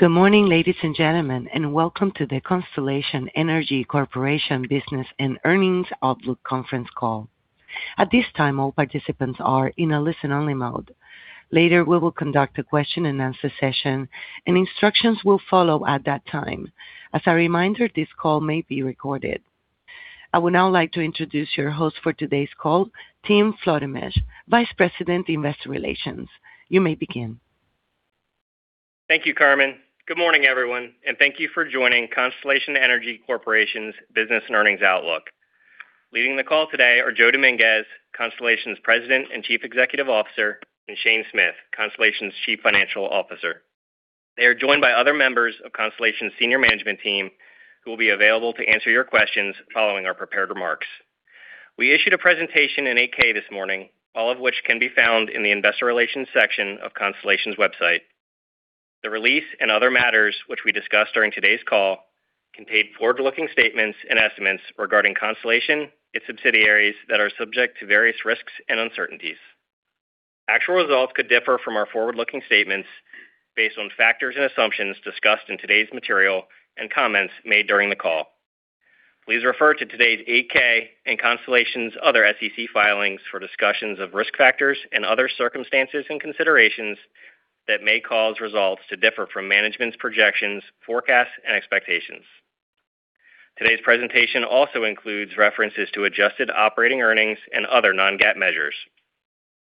Good morning, ladies and gentlemen, and welcome to the Constellation Energy Corporation Business and Earnings Outlook conference call. At this time, all participants are in a listen-only mode. Later, we will conduct a question-and-answer session, and instructions will follow at that time. As a reminder, this call may be recorded. I would now like to introduce your host for today's call, Tim Flottemesch, Vice President, Investor Relations. You may begin. Thank you, Carmen. Good morning, everyone, and thank you for joining Constellation Energy Corporation's Business and Earnings Outlook. Leading the call today are Joe Dominguez, Constellation's President and Chief Executive Officer, and Shane Smith, Constellation's Chief Financial Officer. They are joined by other members of Constellation's senior management team, who will be available to answer your questions following our prepared remarks. We issued a presentation in 8-K this morning, all of which can be found in the Investor Relations section of Constellation's website. The release and other matters which we discussed during today's call contained forward-looking statements and estimates regarding Constellation, its subsidiaries that are subject to various risks and uncertainties. Actual results could differ from our forward-looking statements based on factors and assumptions discussed in today's material and comments made during the call. Please refer to today's 8-K and Constellation's other SEC filings for discussions of risk factors and other circumstances and considerations that may cause results to differ from management's projections, forecasts, and expectations. Today's presentation also includes references to adjusted operating earnings and other non-GAAP measures.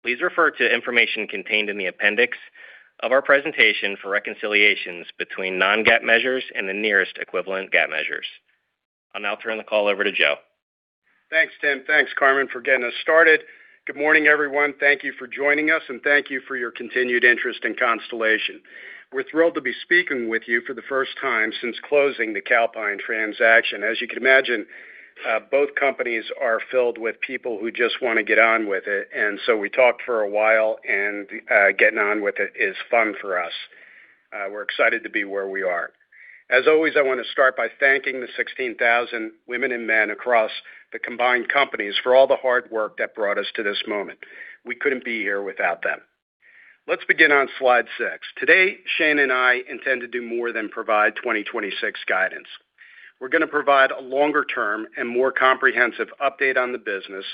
Please refer to information contained in the appendix of our presentation for reconciliations between non-GAAP measures and the nearest equivalent GAAP measures. I'll now turn the call over to Joe. Thanks, Tim. Thanks, Carmen, for getting us started. Good morning, everyone. Thank you for joining us, and thank you for your continued interest in Constellation. We're thrilled to be speaking with you for the first time since closing the Calpine transaction. As you can imagine, both companies are filled with people who just want to get on with it, and so we talked for a while and, getting on with it is fun for us. We're excited to be where we are. As always, I want to start by thanking the 16,000 women and men across the combined companies for all the hard work that brought us to this moment. We couldn't be here without them. Let's begin on slide six. Today, Shane and I intend to do more than provide 2026 guidance. We're going to provide a longer-term and more comprehensive update on the business,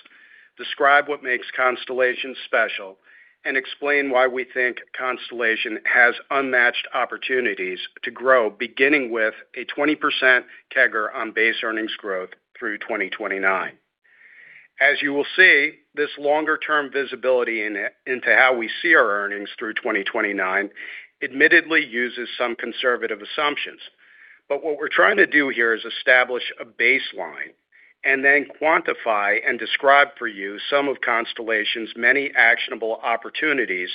describe what makes Constellation special, and explain why we think Constellation has unmatched opportunities to grow, beginning with a 20% CAGR on base earnings growth through 2029. As you will see, this longer-term visibility into how we see our earnings through 2029 admittedly uses some conservative assumptions. What we're trying to do here is establish a baseline and then quantify and describe for you some of Constellation's many actionable opportunities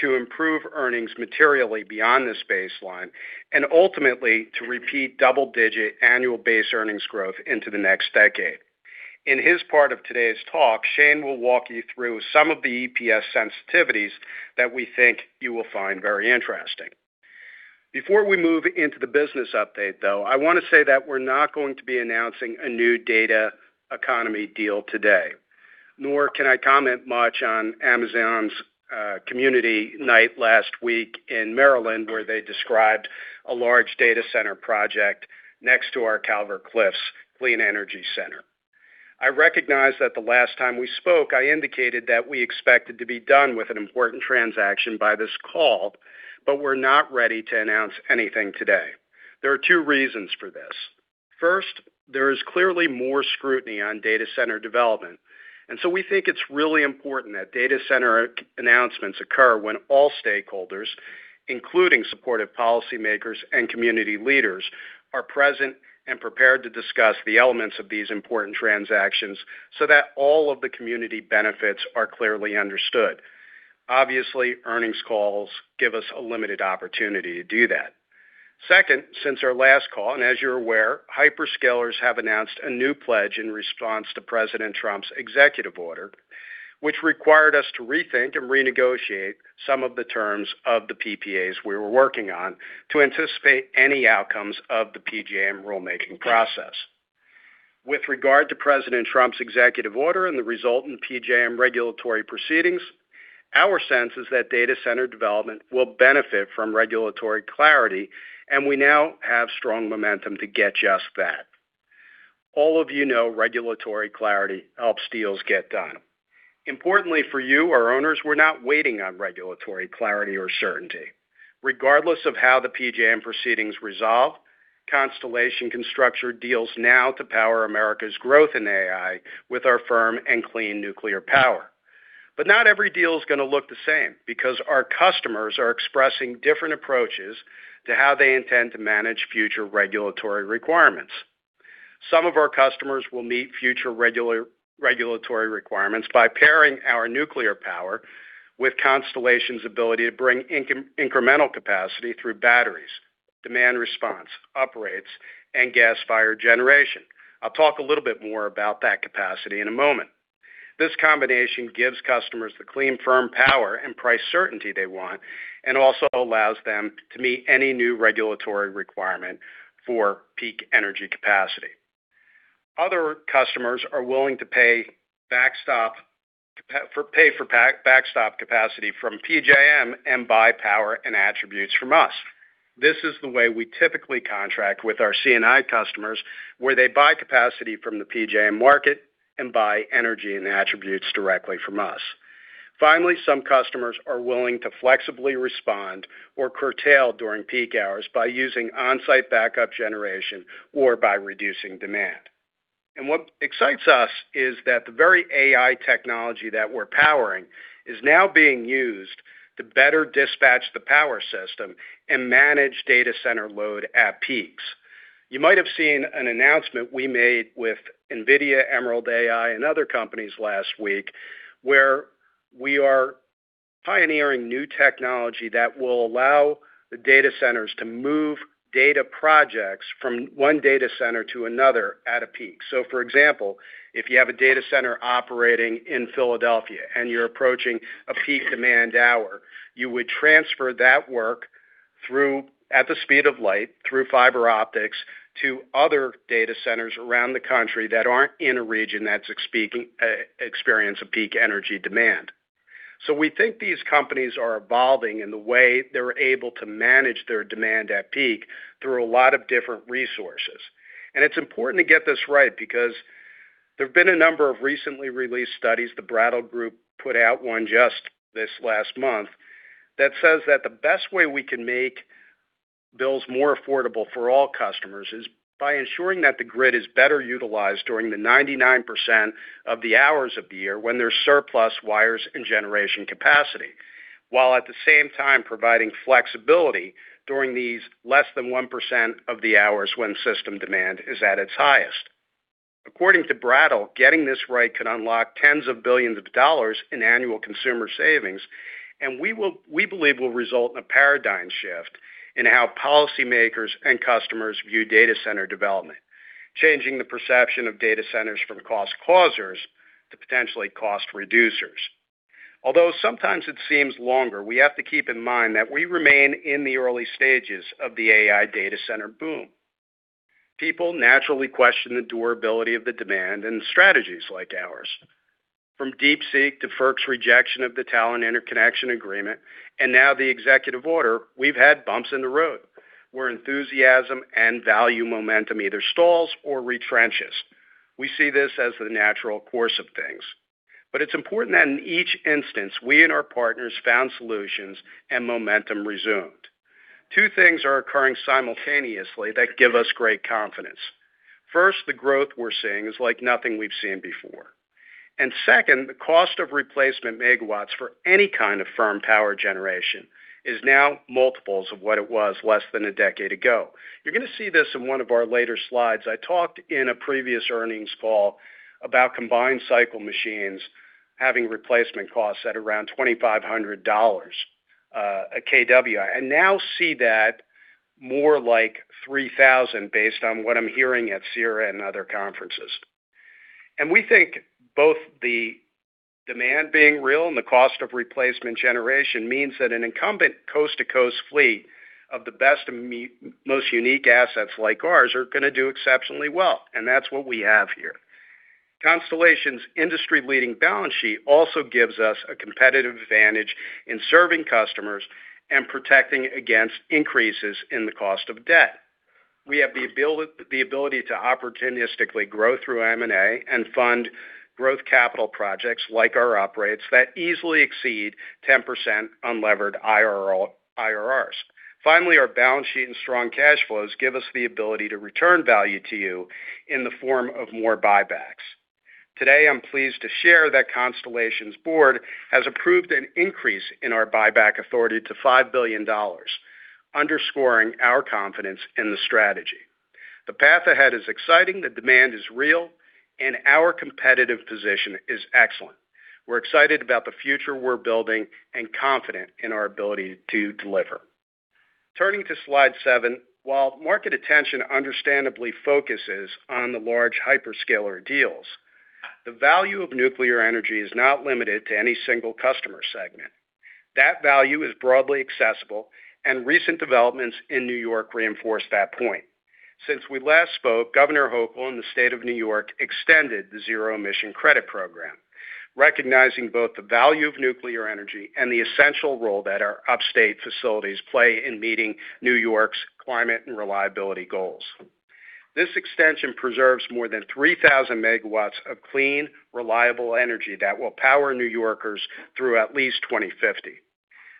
to improve earnings materially beyond this baseline and ultimately to repeat double-digit annual base earnings growth into the next decade. In his part of today's talk, Shane will walk you through some of the EPS sensitivities that we think you will find very interesting. Before we move into the business update, though, I want to say that we're not going to be announcing a new data economy deal today, nor can I comment much on Amazon's community night last week in Maryland, where they described a large data center project next to our Calvert Cliffs clean energy center. I recognize that the last time we spoke, I indicated that we expected to be done with an important transaction by this call, but we're not ready to announce anything today. There are two reasons for this. First, there is clearly more scrutiny on data center development, and so we think it's really important that data center announcements occur when all stakeholders, including supportive policymakers and community leaders, are present and prepared to discuss the elements of these important transactions so that all of the community benefits are clearly understood. Obviously, earnings calls give us a limited opportunity to do that. Second, since our last call, and as you're aware, hyperscalers have announced a new pledge in response to President Trump's executive order, which required us to rethink and renegotiate some of the terms of the PPAs we were working on to anticipate any outcomes of the PJM rulemaking process. With regard to President Trump's executive order and the resultant PJM regulatory proceedings, our sense is that data center development will benefit from regulatory clarity, and we now have strong momentum to get just that. All of you know regulatory clarity helps deals get done. Importantly for you, our owners, we're not waiting on regulatory clarity or certainty. Regardless of how the PJM proceedings resolve, Constellation can structure deals now to power America's growth in AI with our firm and clean nuclear power. Not every deal is going to look the same because our customers are expressing different approaches to how they intend to manage future regulatory requirements. Some of our customers will meet future regulatory requirements by pairing our nuclear power with Constellation's ability to bring incremental capacity through batteries, demand response, uprates, and gas-fired generation. I'll talk a little bit more about that capacity in a moment. This combination gives customers the clean, firm power and price certainty they want and also allows them to meet any new regulatory requirement for peak energy capacity. Other customers are willing to pay for backstop capacity from PJM and buy power and attributes from us. This is the way we typically contract with our C&I customers, where they buy capacity from the PJM market and buy energy and attributes directly from us. Finally, some customers are willing to flexibly respond or curtail during peak hours by using on-site backup generation or by reducing demand. What excites us is that the very AI technology that we're powering is now being used to better dispatch the power system and manage data center load at peaks. You might have seen an announcement we made with Nvidia, Emerald AI, and other companies last week, where we are pioneering new technology that will allow the data centers to move data projects from one data center to another at a peak. For example, if you have a data center operating in Philadelphia and you're approaching a peak demand hour, you would transfer that work through, at the speed of light, through fiber optics to other data centers around the country that aren't in a region that's experiencing a peak energy demand. We think these companies are evolving in the way they're able to manage their demand at peak through a lot of different resources. It's important to get this right because there have been a number of recently released studies, The Brattle Group put out one just this last month, that says that the best way we can make bills more affordable for all customers is by ensuring that the grid is better utilized during the 99% of the hours of the year when there's surplus wires and generation capacity. While at the same time providing flexibility during these less than 1% of the hours when system demand is at its highest. According to Brattle, getting this right could unlock tens of billions of dollars in annual consumer savings, and we believe will result in a paradigm shift in how policymakers and customers view data center development, changing the perception of data centers from cost causers to potentially cost reducers. Although sometimes it seems longer, we have to keep in mind that we remain in the early stages of the AI data center boom. People naturally question the durability of the demand and strategies like ours. From Deep Seek to FERC's rejection of the Talen interconnection agreement, and now the executive order, we've had bumps in the road where enthusiasm and value momentum either stalls or retrenches. We see this as the natural course of things. It's important that in each instance, we and our partners found solutions and momentum resumed. Two things are occurring simultaneously that give us great confidence. First, the growth we're seeing is like nothing we've seen before. Second, the cost of replacement megawatts for any kind of firm power generation is now multiples of what it was less than a decade ago. You're gonna see this in one of our later slides. I talked in a previous earnings call about combined cycle machines having replacement costs at around $2,500 a kW. I now see that more like $3,000 based on what I'm hearing at CERA and other conferences. We think both the demand being real and the cost of replacement generation means that an incumbent coast-to-coast fleet of the best and most unique assets like ours are gonna do exceptionally well, and that's what we have here. Constellation's industry-leading balance sheet also gives us a competitive advantage in serving customers and protecting against increases in the cost of debt. We have the ability to opportunistically grow through M&A and fund growth capital projects like our uprates that easily exceed 10% unlevered IRRs. Finally, our balance sheet and strong cash flows give us the ability to return value to you in the form of more buybacks. Today, I'm pleased to share that Constellation's board has approved an increase in our buyback authority to $5 billion, underscoring our confidence in the strategy. The path ahead is exciting, the demand is real, and our competitive position is excellent. We're excited about the future we're building and confident in our ability to deliver. Turning to slide seven, while market attention understandably focuses on the large hyperscaler deals, the value of nuclear energy is not limited to any single customer segment. That value is broadly accessible, and recent developments in New York reinforce that point. Since we last spoke, Governor Hochul in the State of New York extended the Zero Emission Credit program, recognizing both the value of nuclear energy and the essential role that our upstate facilities play in meeting New York's climate and reliability goals. This extension preserves more than 3,000 MW of clean, reliable energy that will power New Yorkers through at least 2050.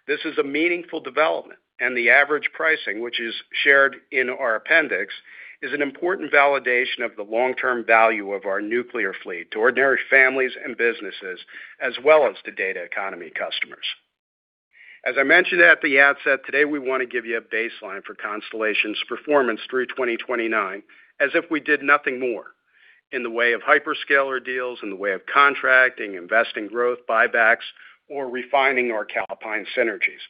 This is a meaningful development, and the average pricing, which is shared in our appendix, is an important validation of the long-term value of our nuclear fleet to ordinary families and businesses, as well as to data economy customers. As I mentioned at the outset, today we want to give you a baseline for Constellation's performance through 2029 as if we did nothing more in the way of hyperscaler deals, in the way of contracting, investing growth, buybacks, or refining our Calpine synergies.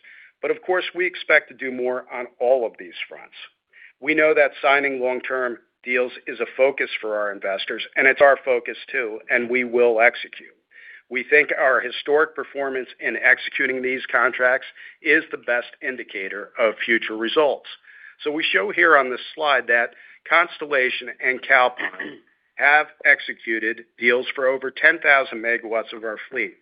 Of course, we expect to do more on all of these fronts. We know that signing long-term deals is a focus for our investors, and it's our focus too, and we will execute. We think our historic performance in executing these contracts is the best indicator of future results. We show here on this slide that Constellation and Calpine have executed deals for over 10,000 megawatts of our fleet,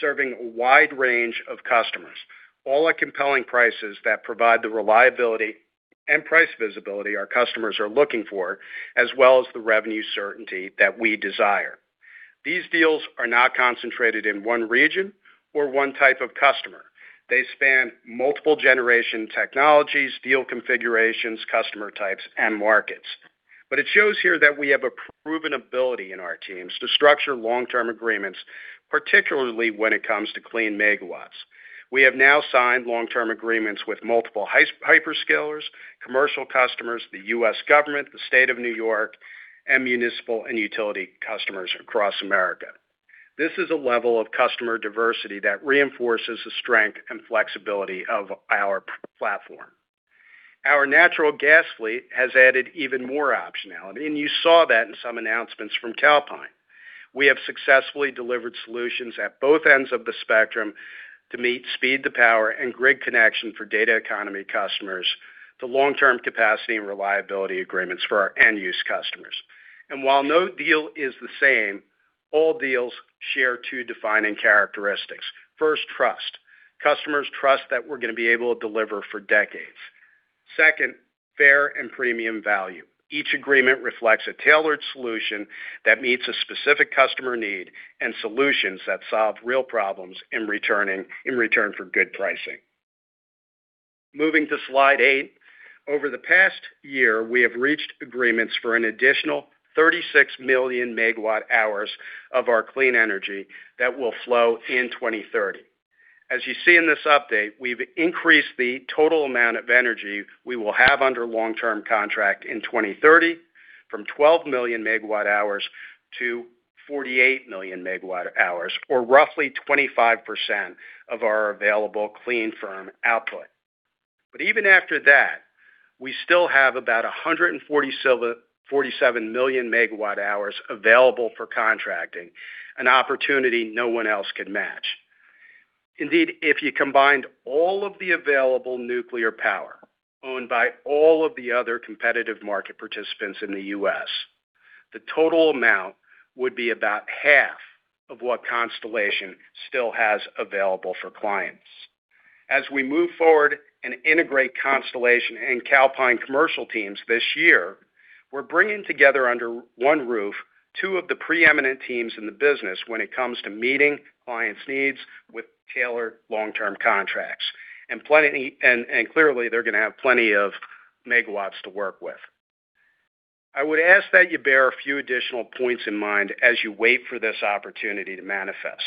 serving a wide range of customers, all at compelling prices that provide the reliability and price visibility our customers are looking for, as well as the revenue certainty that we desire. These deals are not concentrated in one region or one type of customer. They span multiple generation technologies, deal configurations, customer types, and markets. It shows here that we have a proven ability in our teams to structure long-term agreements, particularly when it comes to clean megawatts. We have now signed long-term agreements with multiple hyperscalers, commercial customers, the U.S. government, the State of New York, and municipal and utility customers across America. This is a level of customer diversity that reinforces the strength and flexibility of our platform. Our natural gas fleet has added even more optionality, and you saw that in some announcements from Calpine. We have successfully delivered solutions at both ends of the spectrum to meet speed to power and grid connection for data economy customers to long-term capacity and reliability agreements for our end use customers. While no deal is the same, all deals share two defining characteristics. First, trust. Customers trust that we're going to be able to deliver for decades. Second, fair and premium value. Each agreement reflects a tailored solution that meets a specific customer need and solutions that solve real problems in return for good pricing. Moving to slide eight. Over the past year, we have reached agreements for an additional 36 million MWh of our clean energy that will flow in 2030. As you see in this update, we've increased the total amount of energy we will have under long-term contract in 2030 from 12 million MWh to 48 million MWh or roughly 25% of our available clean firm output. Even after that, we still have about 147 million megawatt hours available for contracting, an opportunity no one else can match. Indeed, if you combined all of the available nuclear power owned by all of the other competitive market participants in the U.S., the total amount would be about half of what Constellation still has available for clients. As we move forward and integrate Constellation and Calpine commercial teams this year, we're bringing together under one roof two of the preeminent teams in the business when it comes to meeting clients' needs with tailored long-term contracts. Clearly, they're going to have plenty of megawatts to work with. I would ask that you bear a few additional points in mind as you wait for this opportunity to manifest.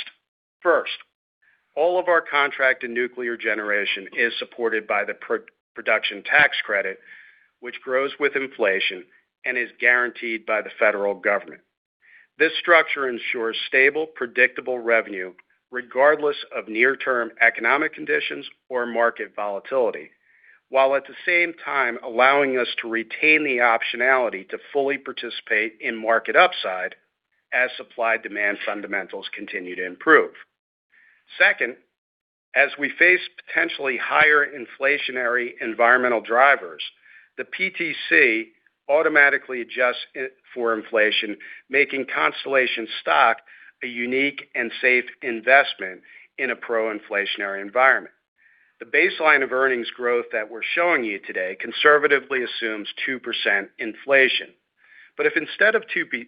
First, all of our contract and nuclear generation is supported by the production tax credit, which grows with inflation and is guaranteed by the federal government. This structure ensures stable, predictable revenue regardless of near-term economic conditions or market volatility, while at the same time allowing us to retain the optionality to fully participate in market upside as supply-demand fundamentals continue to improve. Second, as we face potentially higher inflationary environmental drivers, the PTC automatically adjusts it for inflation, making Constellation stock a unique and safe investment in a pro-inflationary environment. The baseline of earnings growth that we're showing you today conservatively assumes 2% inflation. If instead of 2%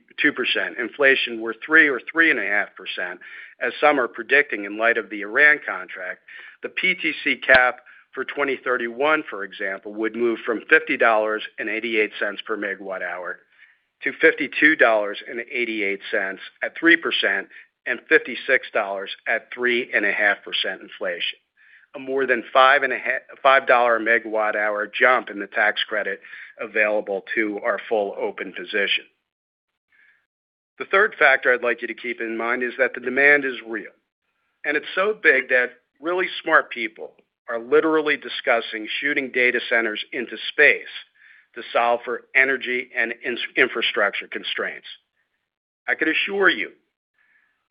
inflation were 3% or 3.5%, as some are predicting in light of the Iran conflict, the PTC cap for 2031, for example, would move from $50.88 per MWh to $52.88 at 3% and $56 at 3.5% inflation. A more than $5/MWh jump in the tax credit available to our full open position. The third factor I'd like you to keep in mind is that the demand is real, and it's so big that really smart people are literally discussing shooting data centers into space to solve for energy and infrastructure constraints. I could assure you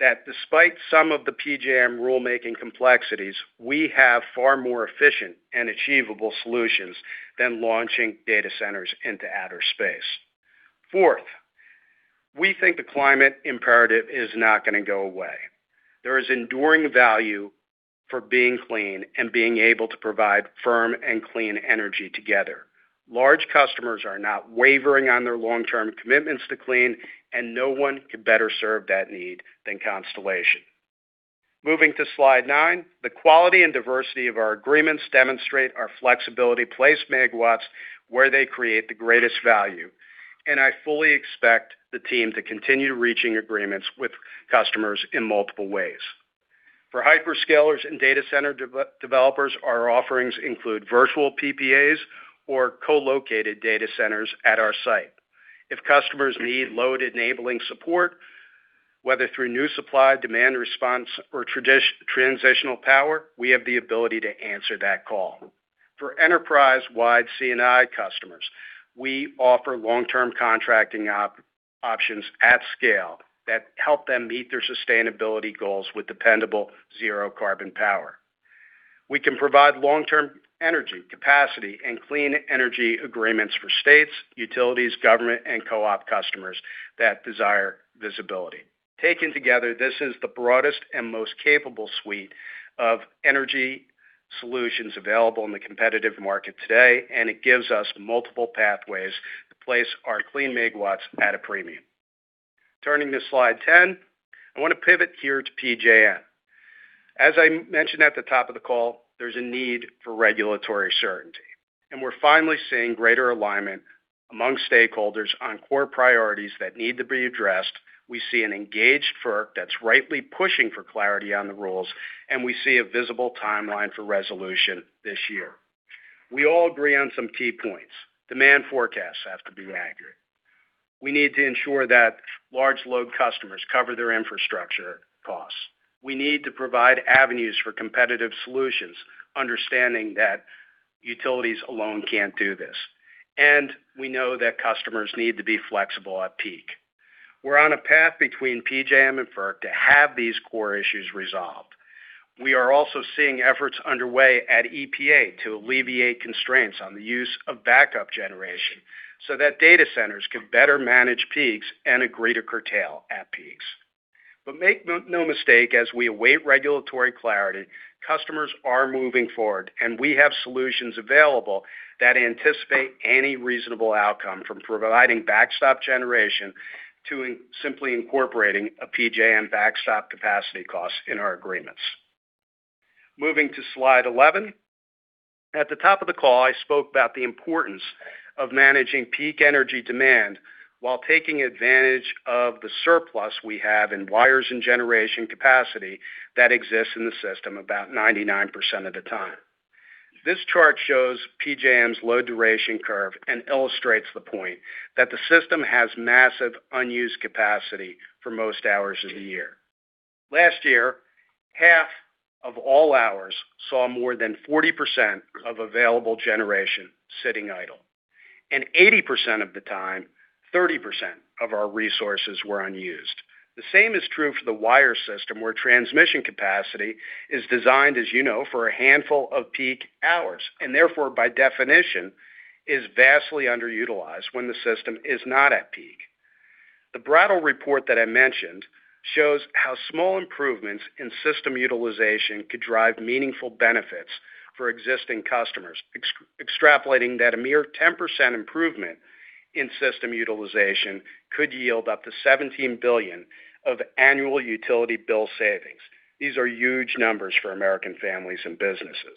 that despite some of the PJM rulemaking complexities, we have far more efficient and achievable solutions than launching data centers into outer space. Fourth, we think the climate imperative is not going to go away. There is enduring value for being clean and being able to provide firm and clean energy together. Large customers are not wavering on their long-term commitments to clean, and no one could better serve that need than Constellation. Moving to slide nine, the quality and diversity of our agreements demonstrate our flexibility to place megawatts where they create the greatest value, and I fully expect the team to continue reaching agreements with customers in multiple ways. For hyperscalers and data center developers, our offerings include virtual PPAs or co-located data centers at our site. If customers need load-enabling support, whether through new supply, demand response, or transitional power, we have the ability to answer that call. For enterprise-wide C&I customers, we offer long-term contracting options at scale that help them meet their sustainability goals with dependable zero carbon power. We can provide long-term energy capacity and clean energy agreements for states, utilities, government, and co-op customers that desire visibility. Taken together, this is the broadest and most capable suite of energy solutions available in the competitive market today, and it gives us multiple pathways to place our clean megawatts at a premium. Turning to slide 10, I want to pivot here to PJM. As I mentioned at the top of the call, there's a need for regulatory certainty, and we're finally seeing greater alignment among stakeholders on core priorities that need to be addressed. We see an engaged FERC that's rightly pushing for clarity on the rules, and we see a visible timeline for resolution this year. We all agree on some key points. Demand forecasts have to be accurate. We need to ensure that large load customers cover their infrastructure costs. We need to provide avenues for competitive solutions, understanding that utilities alone can't do this. We know that customers need to be flexible at peak. We're on a path between PJM and FERC to have these core issues resolved. We are also seeing efforts underway at EPA to alleviate constraints on the use of backup generation, so that data centers can better manage peaks and agree to curtail at peaks. Make no mistake, as we await regulatory clarity, customers are moving forward, and we have solutions available that anticipate any reasonable outcome, from providing backstop generation to simply incorporating a PJM backstop capacity cost in our agreements. Moving to slide 11. At the top of the call, I spoke about the importance of managing peak energy demand while taking advantage of the surplus we have in wires and generation capacity that exists in the system about 99% of the time. This chart shows PJM's load duration curve and illustrates the point that the system has massive unused capacity for most hours of the year. Last year, half of all hours saw more than 40% of available generation sitting idle, and 80% of the time, 30% of our resources were unused. The same is true for the wire system, where transmission capacity is designed, as you know, for a handful of peak hours, and therefore, by definition, is vastly underutilized when the system is not at peak. The Brattle report that I mentioned shows how small improvements in system utilization could drive meaningful benefits for existing customers, extrapolating that a mere 10% improvement in system utilization could yield up to $17 billion of annual utility bill savings. These are huge numbers for American families and businesses.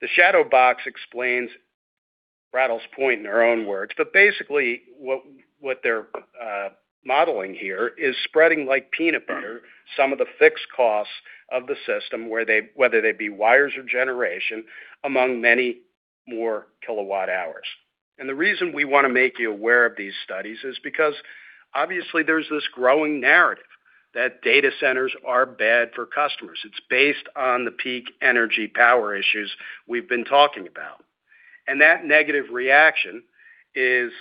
The shadow box explains Brattle's point in their own words, but basically what they're modeling here is spreading like peanut butter some of the fixed costs of the system, where they, whether they be wires or generation, among many more kilowatt-hours. The reason we want to make you aware of these studies is because obviously there's this growing narrative that data centers are bad for customers. It's based on the peak energy power issues we've been talking about. That negative reaction is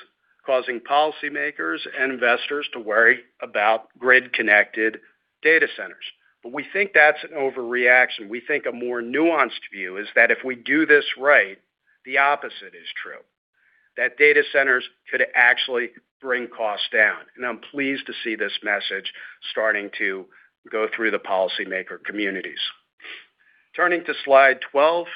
causing policymakers and investors to worry about grid-connected data centers. We think that's an overreaction. We think a more nuanced view is that if we do this right, the opposite is true, that data centers could actually bring costs down. I'm pleased to see this message starting to go through the policymaker communities. Turning to slide 12,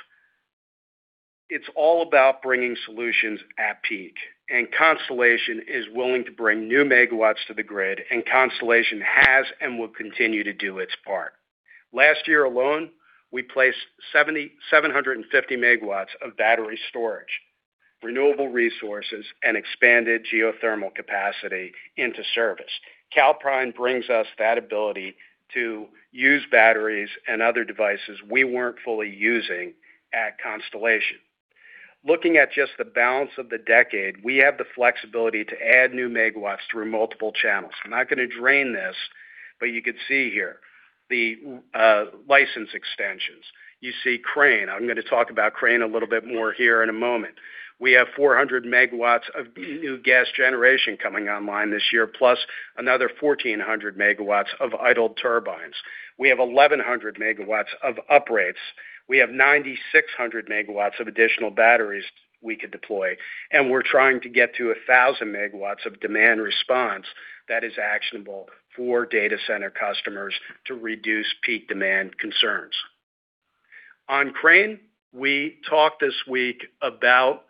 it's all about bringing solutions at peak, and Constellation is willing to bring new megawatts to the grid, and Constellation has and will continue to do its part. Last year alone, we placed 750 MW of battery storage, renewable resources, and expanded geothermal capacity into service. Calpine brings us that ability to use batteries and other devices we weren't fully using at Constellation. Looking at just the balance of the decade, we have the flexibility to add new MW through multiple channels. I'm not going to dwell on this, but you can see here the license extensions. You see Crane. I'm going to talk about Crane a little bit more here in a moment. We have 400 MW of new gas generation coming online this year, plus another 1,400 MW of idle turbines. We have 1,100 MW of uprates. We have 9,600 MW of additional batteries we could deploy, and we're trying to get to 1,000 MW of demand response that is actionable for data center customers to reduce peak demand concerns. On Crane, we talked this week about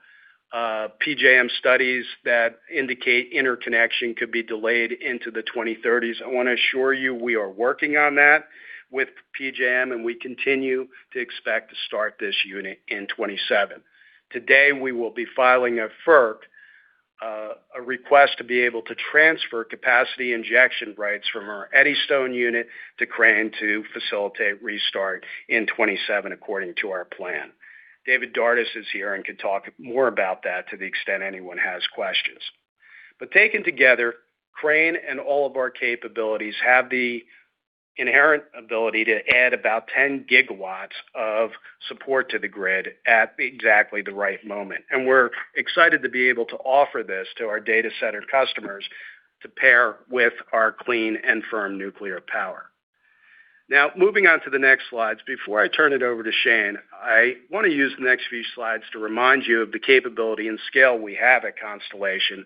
PJM studies that indicate interconnection could be delayed into the 2030s. I want to assure you we are working on that with PJM, and we continue to expect to start this unit in 2027. Today, we will be filing a FERC request to be able to transfer capacity injection rights from our Eddystone unit to Crane to facilitate restart in 2027, according to our plan. David Dardis is here and can talk more about that to the extent anyone has questions. Taken together, Crane and all of our capabilities have the inherent ability to add about 10 GW of support to the grid at exactly the right moment. We're excited to be able to offer this to our data center customers to pair with our clean and firm nuclear power. Now, moving on to the next slides. Before I turn it over to Shane, I want to use the next few slides to remind you of the capability and scale we have at Constellation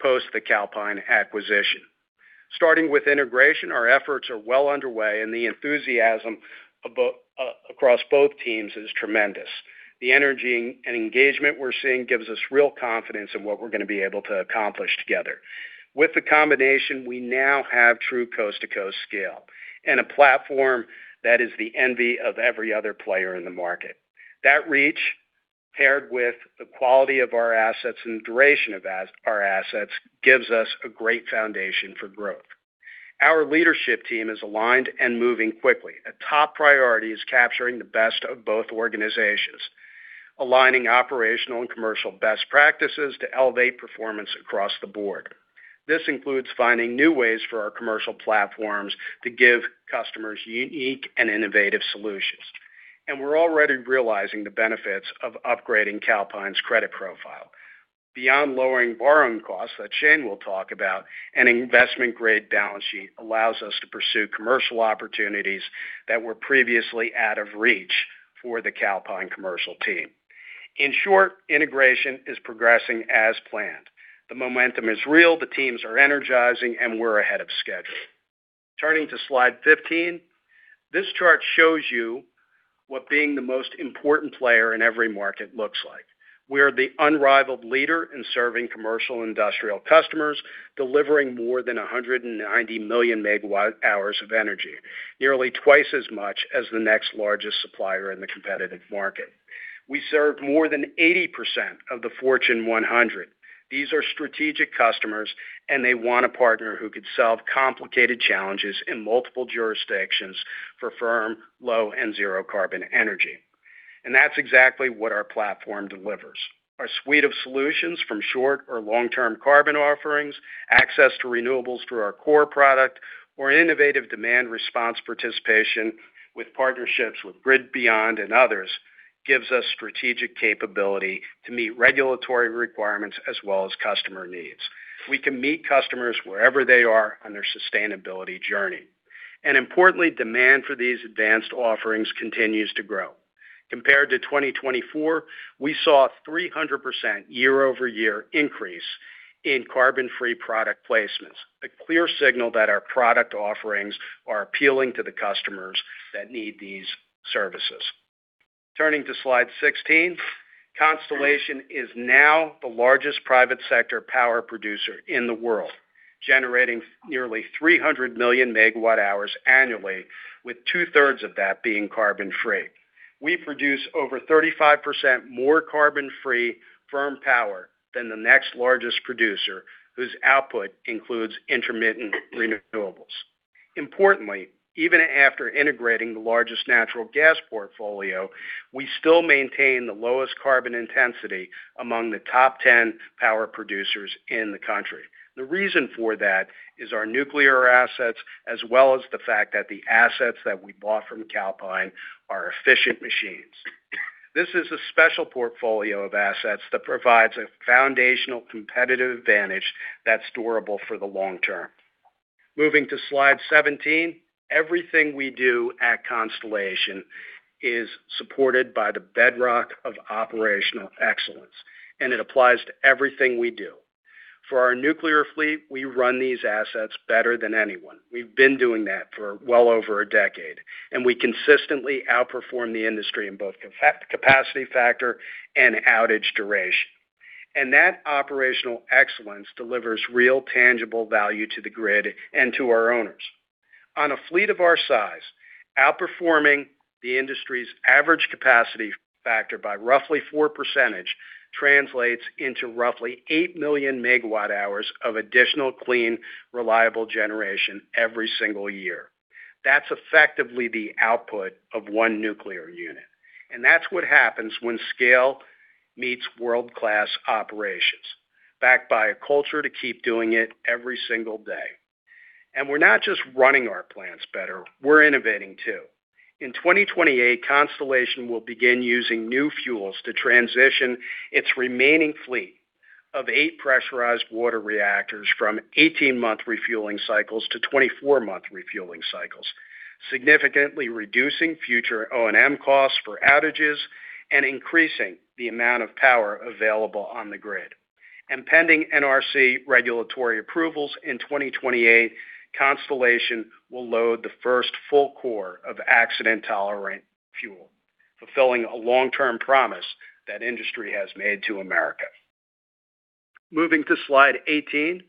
post the Calpine acquisition. Starting with integration, our efforts are well underway, and the enthusiasm across both teams is tremendous. The energy and engagement we're seeing gives us real confidence in what we're gonna be able to accomplish together. With the combination, we now have true coast-to-coast scale and a platform that is the envy of every other player in the market. That reach, paired with the quality of our assets and duration of our assets, gives us a great foundation for growth. Our leadership team is aligned and moving quickly. A top priority is capturing the best of both organizations, aligning operational and commercial best practices to elevate performance across the board. This includes finding new ways for our commercial platforms to give customers unique and innovative solutions. We're already realizing the benefits of upgrading Calpine's credit profile. Beyond lowering borrowing costs that Shane will talk about, an investment-grade balance sheet allows us to pursue commercial opportunities that were previously out of reach for the Calpine commercial team. In short, integration is progressing as planned. The momentum is real, the teams are energizing, and we're ahead of schedule. Turning to slide 15, this chart shows you what being the most important player in every market looks like. We are the unrivaled leader in serving commercial industrial customers, delivering more than 190 million MWh of energy, nearly twice as much as the next largest supplier in the competitive market. We serve more than 80% of the Fortune 100. These are strategic customers, and they want a partner who could solve complicated challenges in multiple jurisdictions for firm, low, and zero carbon energy. That's exactly what our platform delivers. Our suite of solutions from short or long-term carbon offerings, access to renewables through our core product or innovative demand response participation with partnerships with GridBeyond and others, gives us strategic capability to meet regulatory requirements as well as customer needs. We can meet customers wherever they are on their sustainability journey. Importantly, demand for these advanced offerings continues to grow. Compared to 2024, we saw 300% year-over-year increase in carbon-free product placements, a clear signal that our product offerings are appealing to the customers that need these services. Turning to slide 16. Constellation is now the largest private sector power producer in the world, generating nearly 300 million megawatt-hours annually, with two-thirds of that being carbon-free. We produce over 35% more carbon-free firm power than the next largest producer, whose output includes intermittent renewables. Importantly, even after integrating the largest natural gas portfolio, we still maintain the lowest carbon intensity among the top 10 power producers in the country. The reason for that is our nuclear assets, as well as the fact that the assets that we bought from Calpine are efficient machines. This is a special portfolio of assets that provides a foundational competitive advantage that's durable for the long term. Moving to slide 17. Everything we do at Constellation is supported by the bedrock of operational excellence, and it applies to everything we do. For our nuclear fleet, we run these assets better than anyone. We've been doing that for well over a decade, and we consistently outperform the industry in both capacity factor and outage duration. That operational excellence delivers real, tangible value to the grid and to our owners. On a fleet of our size, outperforming the industry's average capacity factor by roughly 4% translates into roughly 8 million MWh of additional clean, reliable generation every single year. That's effectively the output of one nuclear unit, and that's what happens when scale meets world-class operations, backed by a culture to keep doing it every single day. We're not just running our plants better, we're innovating too. In 2028, Constellation will begin using new fuels to transition its remaining fleet of eight pressurized water reactors from 18-month refueling cycles to 24-month refueling cycles, significantly reducing future O&M costs for outages and increasing the amount of power available on the grid. Pending NRC regulatory approvals in 2028, Constellation will load the first full core of accident-tolerant fuel, fulfilling a long-term promise that industry has made to America. Moving to slide 18,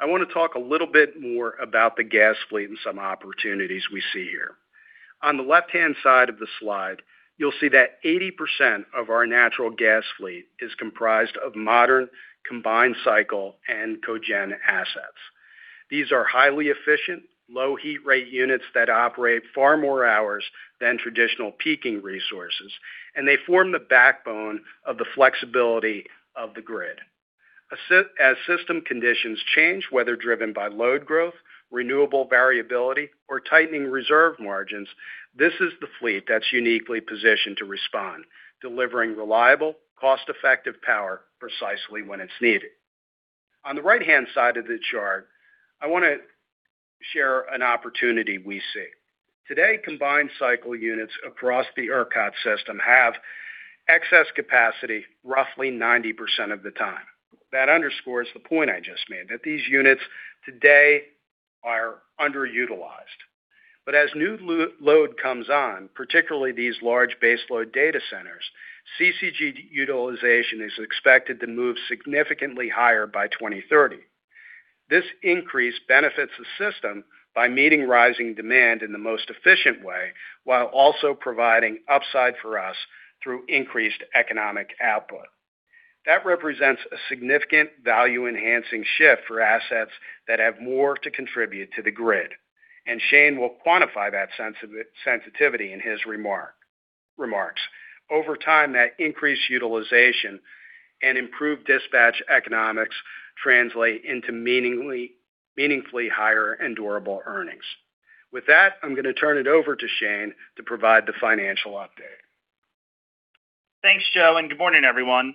I wanna talk a little bit more about the gas fleet and some opportunities we see here. On the left-hand side of the slide, you'll see that 80% of our natural gas fleet is comprised of modern combined cycle and cogen assets. These are highly efficient, low heat rate units that operate far more hours than traditional peaking resources, and they form the backbone of the flexibility of the grid. As system conditions change, whether driven by load growth, renewable variability, or tightening reserve margins, this is the fleet that's uniquely positioned to respond, delivering reliable, cost-effective power precisely when it's needed. On the right-hand side of the chart, I wanna share an opportunity we see. Today, combined cycle units across the ERCOT system have excess capacity roughly 90% of the time. That underscores the point I just made, that these units today are underutilized. As new load comes on, particularly these large base load data centers, CCG utilization is expected to move significantly higher by 2030. This increase benefits the system by meeting rising demand in the most efficient way, while also providing upside for us through increased economic output. That represents a significant value-enhancing shift for assets that have more to contribute to the grid, and Shane will quantify that sensitivity in his remarks. Over time, that increased utilization and improved dispatch economics translate into meaningfully higher and durable earnings. With that, I'm gonna turn it over to Shane to provide the financial update. Thanks, Joe, and good morning, everyone.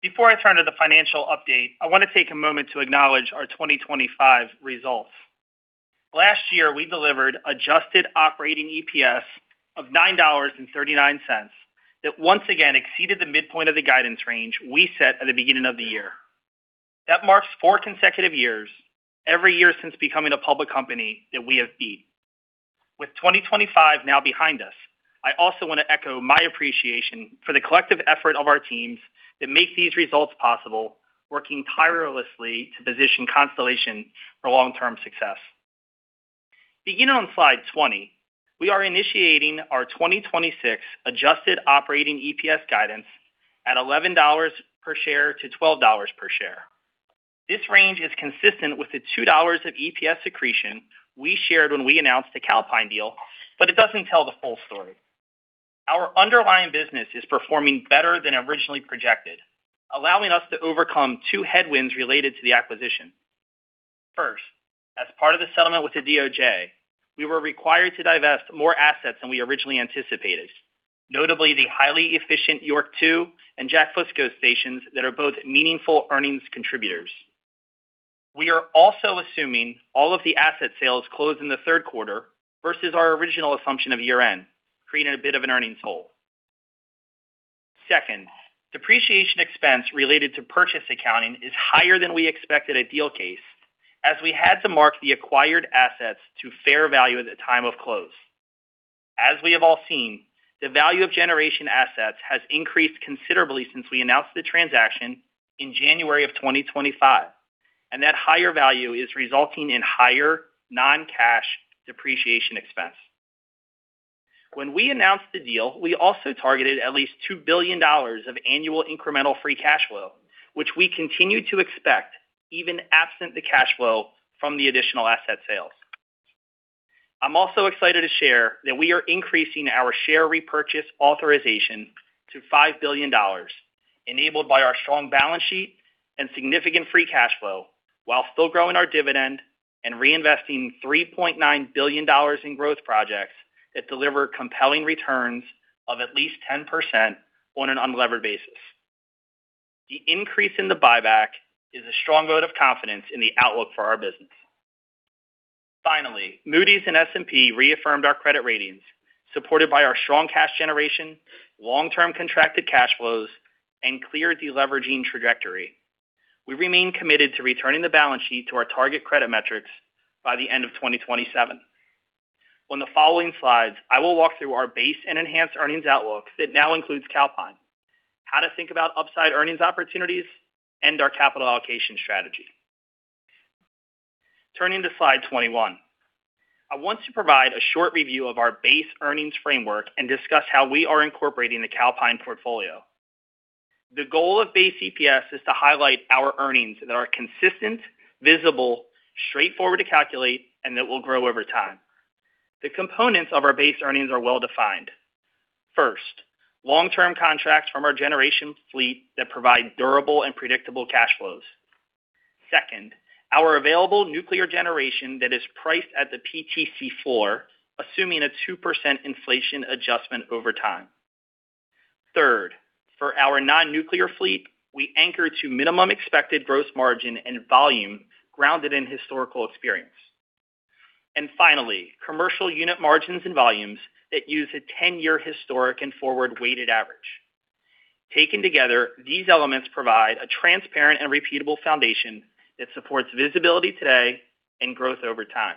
Before I turn to the financial update, I want to take a moment to acknowledge our 2025 results. Last year, we delivered adjusted operating EPS of $9.39. That once again exceeded the midpoint of the guidance range we set at the beginning of the year. That marks four consecutive years, every year since becoming a public company, that we have beat. With 2025 now behind us, I also want to echo my appreciation for the collective effort of our teams that make these results possible, working tirelessly to position Constellation for long-term success. Beginning on slide 20, we are initiating our 2026 adjusted operating EPS guidance at $11 per share-$12 per share. This range is consistent with the $2 of EPS accretion we shared when we announced the Calpine deal, but it doesn't tell the full story. Our underlying business is performing better than originally projected, allowing us to overcome two headwinds related to the acquisition. First, as part of the settlement with the DOJ, we were required to divest more assets than we originally anticipated, notably the highly efficient York 2 and Jack Fusco stations that are both meaningful earnings contributors. We are also assuming all of the asset sales closed in the Q3 versus our original assumption of year-end, creating a bit of an earnings hole. Second, depreciation expense related to purchase accounting is higher than we expected at deal case, as we had to mark the acquired assets to fair value at the time of close. As we have all seen, the value of generation assets has increased considerably since we announced the transaction in January of 2025, and that higher value is resulting in higher non-cash depreciation expense. When we announced the deal, we also targeted at least $2 billion of annual incremental free cash flow, which we continue to expect even absent the cash flow from the additional asset sales. I'm also excited to share that we are increasing our share repurchase authorization to $5 billion, enabled by our strong balance sheet and significant free cash flow, while still growing our dividend and reinvesting $3.9 billion in growth projects that deliver compelling returns of at least 10% on an unlevered basis. The increase in the buyback is a strong vote of confidence in the outlook for our business. Finally, Moody's and S&P reaffirmed our credit ratings, supported by our strong cash generation, long-term contracted cash flows, and clear deleveraging trajectory. We remain committed to returning the balance sheet to our target credit metrics by the end of 2027. On the following slides, I will walk through our base and enhanced earnings outlook that now includes Calpine, how to think about upside earnings opportunities, and our capital allocation strategy. Turning to slide 21. I want to provide a short review of our base earnings framework and discuss how we are incorporating the Calpine portfolio. The goal of base EPS is to highlight our earnings that are consistent, visible, straightforward to calculate, and that will grow over time. The components of our base earnings are well-defined. First, long-term contracts from our generation fleet that provide durable and predictable cash flows. Second, our available nuclear generation that is priced at the PTC floor, assuming a 2% inflation adjustment over time. Third, for our non-nuclear fleet, we anchor to minimum expected gross margin and volume grounded in historical experience. Finally, commercial unit margins and volumes that use a 10-year historic and forward weighted average. Taken together, these elements provide a transparent and repeatable foundation that supports visibility today and growth over time.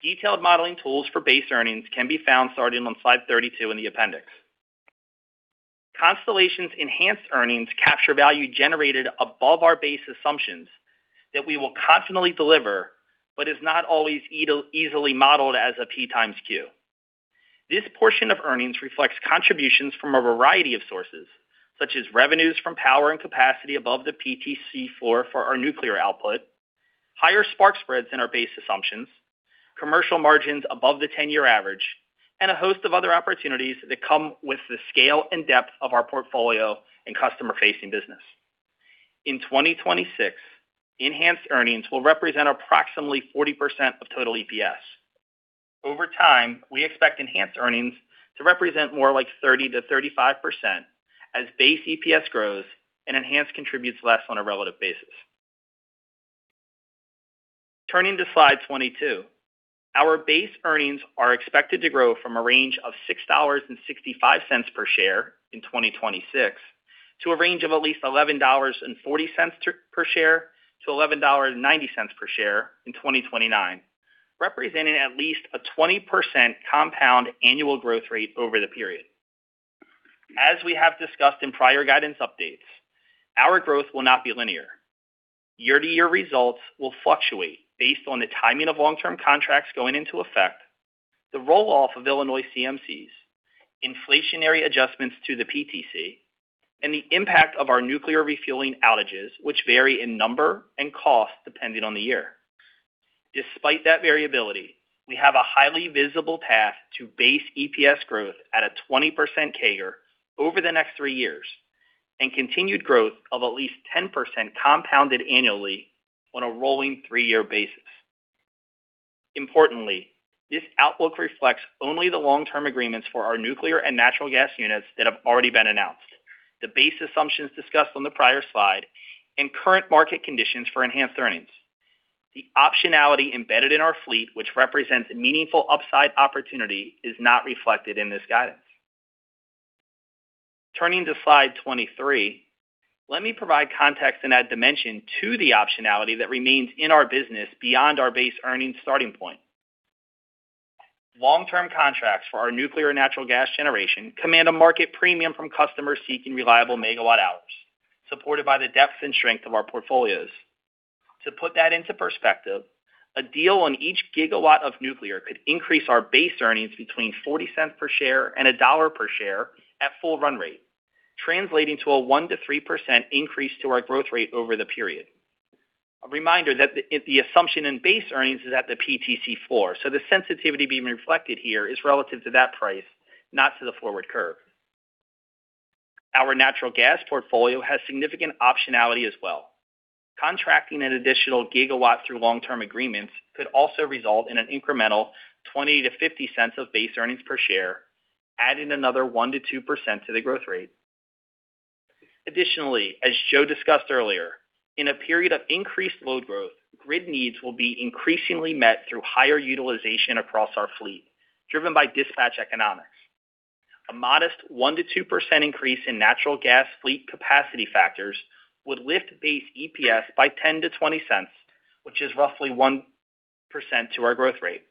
Detailed modeling tools for base earnings can be found starting on slide 32 in the appendix. Constellation's enhanced earnings capture value generated above our base assumptions that we will constantly deliver, but is not always easily modeled as a P times Q. This portion of earnings reflects contributions from a variety of sources, such as revenues from power and capacity above the PTC floor for our nuclear output, higher spark spreads than our base assumptions, commercial margins above the ten-year average, and a host of other opportunities that come with the scale and depth of our portfolio and customer-facing business. In 2026, enhanced earnings will represent approximately 40% of total EPS. Over time, we expect enhanced earnings to represent more like 30%-35% as base EPS grows and enhanced contributes less on a relative basis. Turning to slide 22. Our base earnings are expected to grow from a range of $6.65 per share in 2026 to a range of at least $11.40-$11.90 per share in 2029, representing at least a 20% compound annual growth rate over the period. As we have discussed in prior guidance updates, our growth will not be linear. Year-to-year results will fluctuate based on the timing of long-term contracts going into effect, the roll-off of Illinois CMCs, inflationary adjustments to the PTC, and the impact of our nuclear refueling outages, which vary in number and cost depending on the year. Despite that variability, we have a highly visible path to base EPS growth at a 20% CAGR over the next three years and continued growth of at least 10% compounded annually on a rolling three-year basis. Importantly, this outlook reflects only the long-term agreements for our nuclear and natural gas units that have already been announced. The base assumptions discussed on the prior slide and current market conditions for enhanced earnings. The optionality embedded in our fleet, which represents a meaningful upside opportunity, is not reflected in this guidance. Turning to slide 23. Let me provide context and add dimension to the optionality that remains in our business beyond our base earnings starting point. Long-term contracts for our nuclear and natural gas generation command a market premium from customers seeking reliable megawatt hours, supported by the depth and strength of our portfolios. To put that into perspective, a deal on each gigawatt of nuclear could increase our base earnings between $0.40 per share and $1 per share at full run rate, translating to a 1%-3% increase to our growth rate over the period. A reminder that the assumption in base earnings is at the PTC $4. The sensitivity being reflected here is relative to that price, not to the forward curve. Our natural gas portfolio has significant optionality as well. Contracting an additional gigawatt through long-term agreements could also result in an incremental $0.20-$0.50 of base earnings per share, adding another 1%-2% to the growth rate. Additionally, as Joe Dominguez discussed earlier, in a period of increased load growth, grid needs will be increasingly met through higher utilization across our fleet, driven by dispatch economics. A modest 1%-2% increase in natural gas fleet capacity factors would lift base EPS by $0.10-$0.20, which is roughly 1% to our growth rate.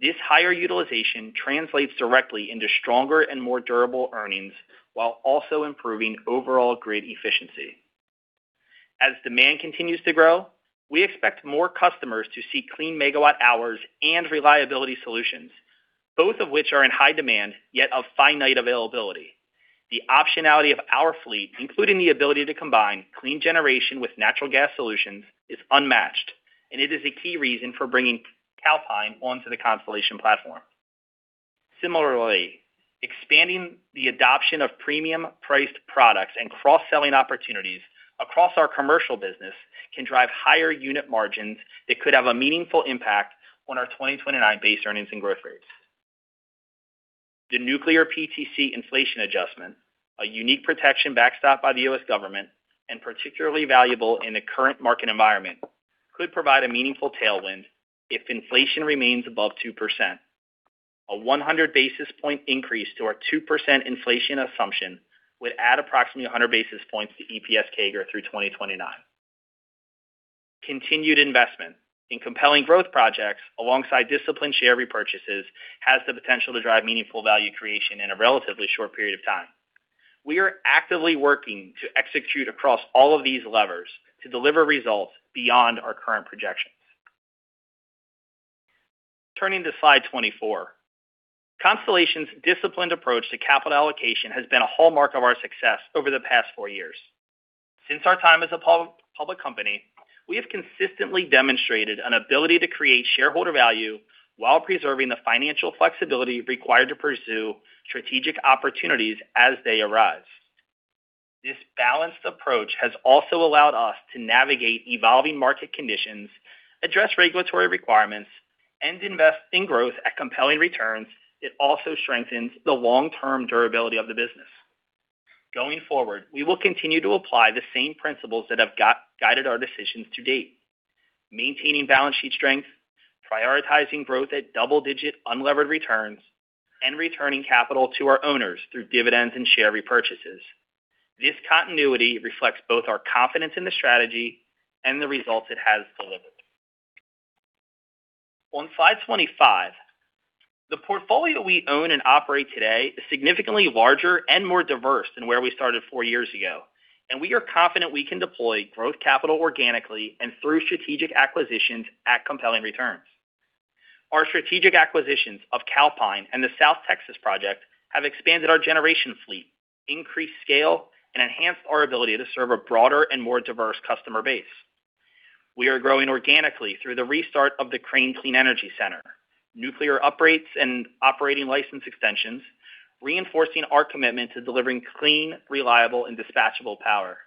This higher utilization translates directly into stronger and more durable earnings while also improving overall grid efficiency. As demand continues to grow, we expect more customers to seek clean megawatt hours and reliability solutions, both of which are in high demand, yet of finite availability. The optionality of our fleet, including the ability to combine clean generation with natural gas solutions, is unmatched, and it is a key reason for bringing Calpine onto the Constellation platform. Similarly, expanding the adoption of premium-priced products and cross-selling opportunities across our commercial business can drive higher unit margins that could have a meaningful impact on our 2029 base earnings and growth rates. The nuclear PTC inflation adjustment, a unique protection backstopped by the U.S. government and particularly valuable in the current market environment, could provide a meaningful tailwind if inflation remains above 2%. A 100 basis point increase to our 2% inflation assumption would add approximately 100 basis points to EPS CAGR through 2029. Continued investment in compelling growth projects alongside disciplined share repurchases has the potential to drive meaningful value creation in a relatively short period of time. We are actively working to execute across all of these levers to deliver results beyond our current projections. Turning to slide 24. Constellation's disciplined approach to capital allocation has been a hallmark of our success over the past four years. Since our time as a public company, we have consistently demonstrated an ability to create shareholder value while preserving the financial flexibility required to pursue strategic opportunities as they arise. This balanced approach has also allowed us to navigate evolving market conditions, address regulatory requirements, and invest in growth at compelling returns. It also strengthens the long-term durability of the business. Going forward, we will continue to apply the same principles that have guided our decisions to date: maintaining balance sheet strength, prioritizing growth at double-digit unlevered returns, and returning capital to our owners through dividends and share repurchases. This continuity reflects both our confidence in the strategy and the results it has delivered. On slide 25. The portfolio we own and operate today is significantly larger and more diverse than where we started four years ago. We are confident we can deploy growth capital organically and through strategic acquisitions at compelling returns. Our strategic acquisitions of Calpine and the South Texas Project have expanded our generation fleet, increased scale, and enhanced our ability to serve a broader and more diverse customer base. We are growing organically through the restart of the Crane Clean Energy Center, nuclear uprates and operating license extensions, reinforcing our commitment to delivering clean, reliable, and dispatchable power.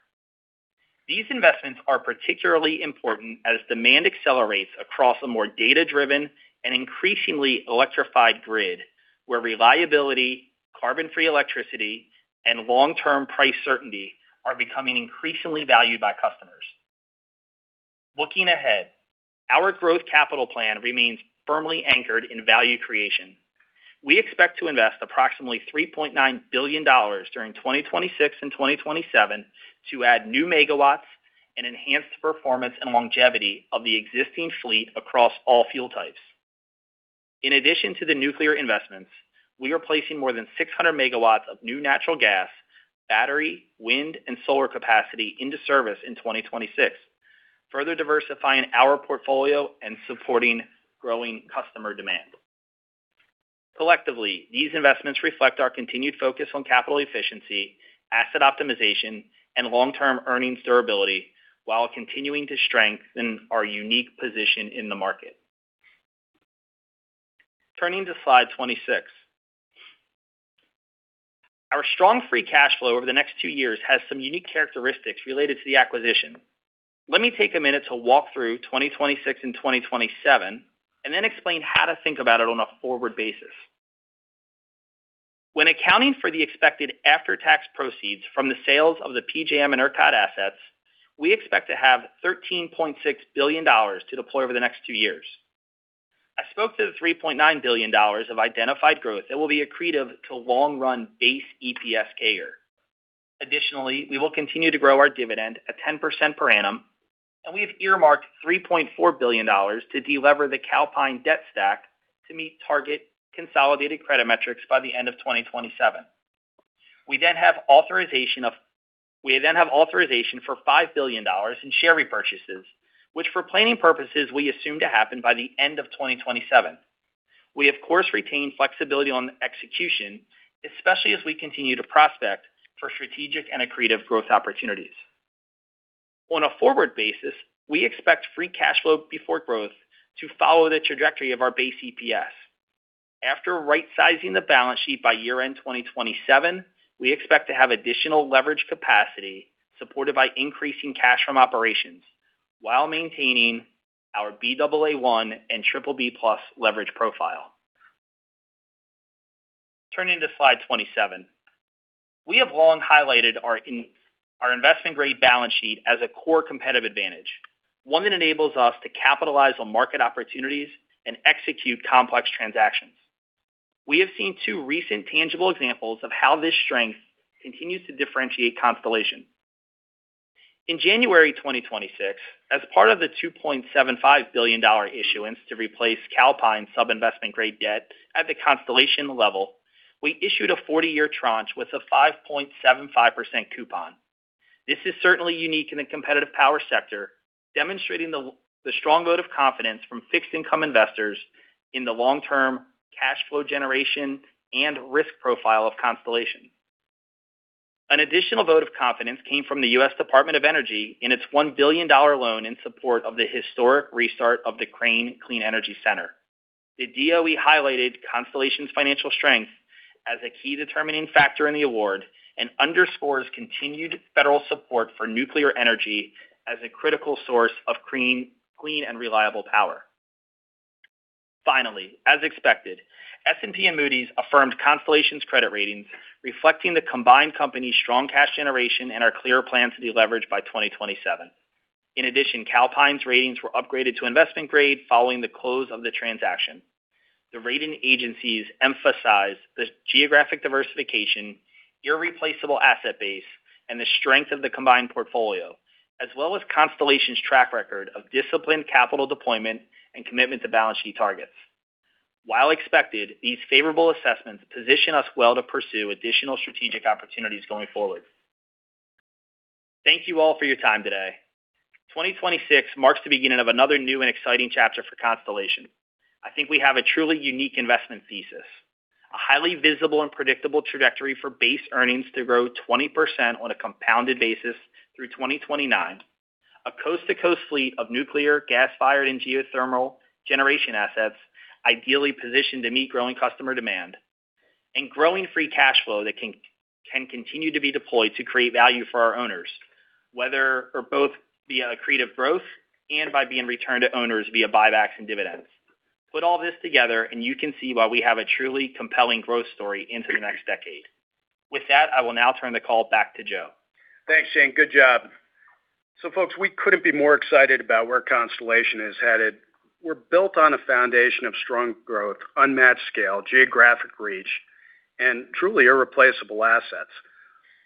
These investments are particularly important as demand accelerates across a more data-driven and increasingly electrified grid, where reliability, carbon-free electricity, and long-term price certainty are becoming increasingly valued by customers. Looking ahead, our growth capital plan remains firmly anchored in value creation. We expect to invest approximately $3.9 billion during 2026 and 2027 to add new megawatts and enhance the performance and longevity of the existing fleet across all fuel types. In addition to the nuclear investments, we are placing more than 600 MW of new natural gas, battery, wind, and solar capacity into service in 2026, further diversifying our portfolio and supporting growing customer demand. Collectively, these investments reflect our continued focus on capital efficiency, asset optimization, and long-term earnings durability while continuing to strengthen our unique position in the market. Turning to slide 26. Our strong free cash flow over the next two years has some unique characteristics related to the acquisition. Let me take a minute to walk through 2026 and 2027 and then explain how to think about it on a forward basis. When accounting for the expected after-tax proceeds from the sales of the PJM and ERCOT assets, we expect to have $13.6 billion to deploy over the next two years. I spoke to the $3.9 billion of identified growth that will be accretive to long-run base EPS CAGR. Additionally, we will continue to grow our dividend at 10% per annum, and we have earmarked $3.4 billion to delever the Calpine debt stack to meet target consolidated credit metrics by the end of 2027. We then have authorization for $5 billion in share repurchases, which for planning purposes, we assume to happen by the end of 2027. We of course retain flexibility on execution, especially as we continue to prospect for strategic and accretive growth opportunities. On a forward basis, we expect free cash flow before growth to follow the trajectory of our base EPS. After rightsizing the balance sheet by year-end 2027, we expect to have additional leverage capacity supported by increasing cash from operations while maintaining our Baa1 and BBB+ leverage profile. Turning to slide 27. We have long highlighted our investment-grade balance sheet as a core competitive advantage, one that enables us to capitalize on market opportunities and execute complex transactions. We have seen two recent tangible examples of how this strength continues to differentiate Constellation. In January 2026, as part of the $2.75 billion issuance to replace Calpine sub-investment grade debt at the Constellation level, we issued a 40-year tranche with a 5.75% coupon. This is certainly unique in the competitive power sector, demonstrating the strong vote of confidence from fixed income investors in the long-term cash flow generation and risk profile of Constellation. An additional vote of confidence came from the U.S. Department of Energy in its $1 billion loan in support of the historic restart of the Crane Clean Energy Center. The DOE highlighted Constellation's financial strength as a key determining factor in the award and underscores continued federal support for nuclear energy as a critical source of clean and reliable power. Finally, as expected, S&P and Moody's affirmed Constellation's credit ratings, reflecting the combined company's strong cash generation and our clear plan to deleverage by 2027. In addition, Calpine's ratings were upgraded to investment grade following the close of the transaction. The rating agencies emphasized the geographic diversification, irreplaceable asset base, and the strength of the combined portfolio, as well as Constellation's track record of disciplined capital deployment and commitment to balance sheet targets. While expected, these favorable assessments position us well to pursue additional strategic opportunities going forward. Thank you all for your time today. 2026 marks the beginning of another new and exciting chapter for Constellation. I think we have a truly unique investment thesis, a highly visible and predictable trajectory for base earnings to grow 20% on a compounded basis through 2029. A coast-to-coast fleet of nuclear, gas-fired, and geothermal generation assets ideally positioned to meet growing customer demand and growing free cash flow that can continue to be deployed to create value for our owners, whether or both via accretive growth and by being returned to owners via buybacks and dividends. Put all this together, and you can see why we have a truly compelling growth story into the next decade. With that, I will now turn the call back to Joe. Thanks, Shane. Good job. Folks, we couldn't be more excited about where Constellation is headed. We're built on a foundation of strong growth, unmatched scale, geographic reach, and truly irreplaceable assets,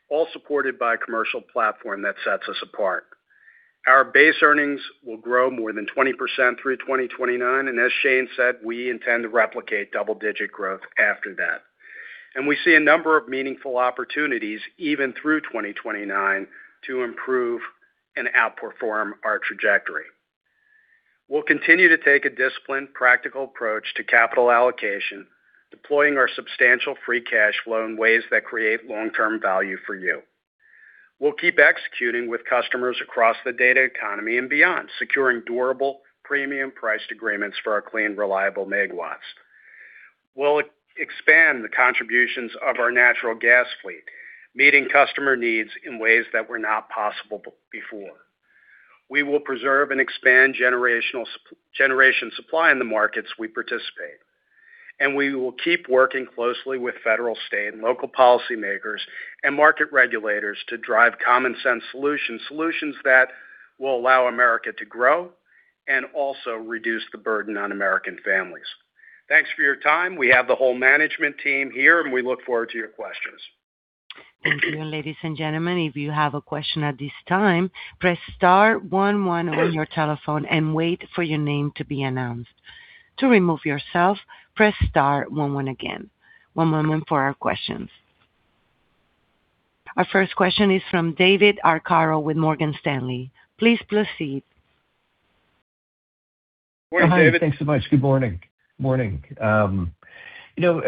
all supported by a commercial platform that sets us apart. Our base earnings will grow more than 20% through 2029. As Shane said, we intend to replicate double-digit growth after that. We see a number of meaningful opportunities even through 2029 to improve and outperform our trajectory. We'll continue to take a disciplined, practical approach to capital allocation, deploying our substantial free cash flow in ways that create long-term value for you. We'll keep executing with customers across the data economy and beyond, securing durable, premium priced agreements for our clean, reliable megawatts. We'll expand the contributions of our natural gas fleet, meeting customer needs in ways that were not possible before. We will preserve and expand generation supply in the markets we participate. We will keep working closely with federal, state, and local policymakers and market regulators to drive common sense solutions that will allow America to grow and also reduce the burden on American families. Thanks for your time. We have the whole management team here, and we look forward to your questions. Thank you. Ladies and gentlemen, if you have a question at this time, press star one one on your telephone and wait for your name to be announced. To remove yourself, press star one one again. One moment for our questions. Our first question is from David Arcaro with Morgan Stanley. Please proceed. Morning, David. Thanks so much. Good morning. Morning. You know,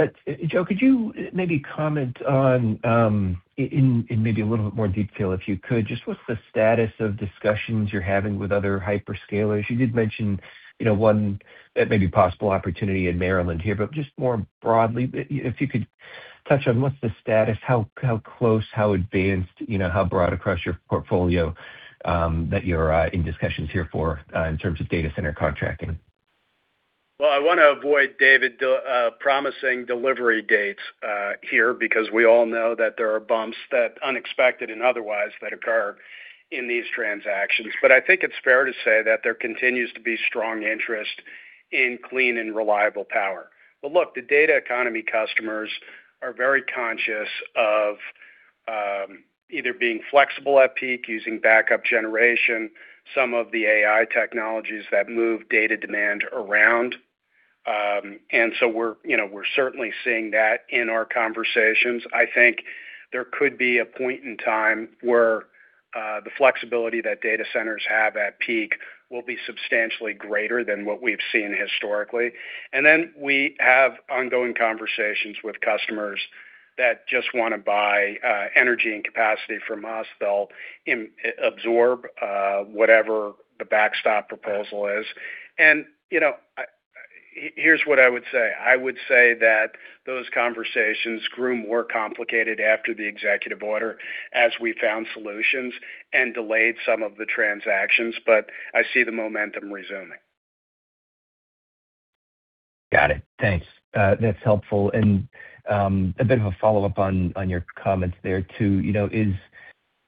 Joe, could you maybe comment on, in maybe a little bit more detail, if you could, just what's the status of discussions you're having with other hyperscalers? You did mention, you know, one, maybe possible opportunity in Maryland here, but just more broadly, if you could touch on what's the status, how close, how advanced, you know, how broad across your portfolio, that you're in discussions here for, in terms of data center contracting? Well, I want to avoid, David, promising delivery dates here because we all know that there are bumps that unexpected and otherwise that occur in these transactions. I think it's fair to say that there continues to be strong interest in clean and reliable power. Look, the data economy customers are very conscious of either being flexible at peak using backup generation, some of the AI technologies that move data demand around. We're, you know, we're certainly seeing that in our conversations. I think there could be a point in time where the flexibility that data centers have at peak will be substantially greater than what we've seen historically. Then we have ongoing conversations with customers that just want to buy energy and capacity from us. They'll absorb whatever the backstop proposal is. You know, here's what I would say. I would say that those conversations grew more complicated after the executive order as we found solutions and delayed some of the transactions, but I see the momentum resuming. Got it. Thanks. That's helpful. A bit of a follow-up on your comments there too. You know, is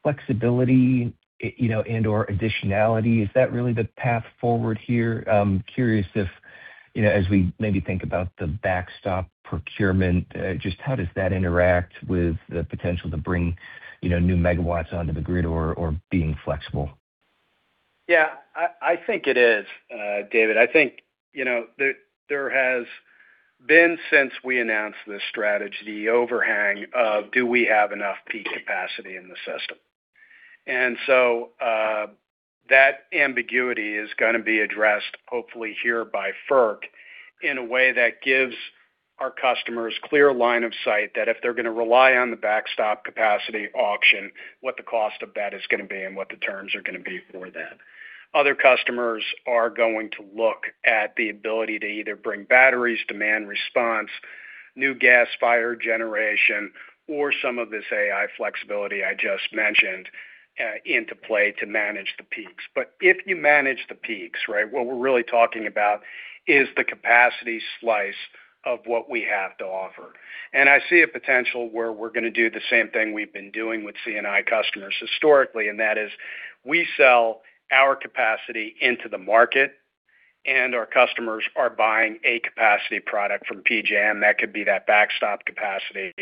flexibility, you know, and/or additionality, is that really the path forward here? I'm curious if, you know, as we maybe think about the backstop procurement, just how does that interact with the potential to bring, you know, new megawatts onto the grid or being flexible? Yeah, I think it is, David. I think there has been since we announced this strategy overhang of do we have enough peak capacity in the system. That ambiguity is going to be addressed hopefully here by FERC in a way that gives our customers clear line of sight that if they're going to rely on the backstop capacity auction, what the cost of that is going to be and what the terms are going to be for that. Other customers are going to look at the ability to either bring batteries, demand response, new gas fire generation, or some of this AI flexibility I just mentioned into play to manage the peaks. If you manage the peaks, right, what we're really talking about is the capacity slice of what we have to offer. I see a potential where we're going to do the same thing we've been doing with C&I customers historically, and that is we sell our capacity into the market and our customers are buying a capacity product from PJM. That could be that backstop capacity,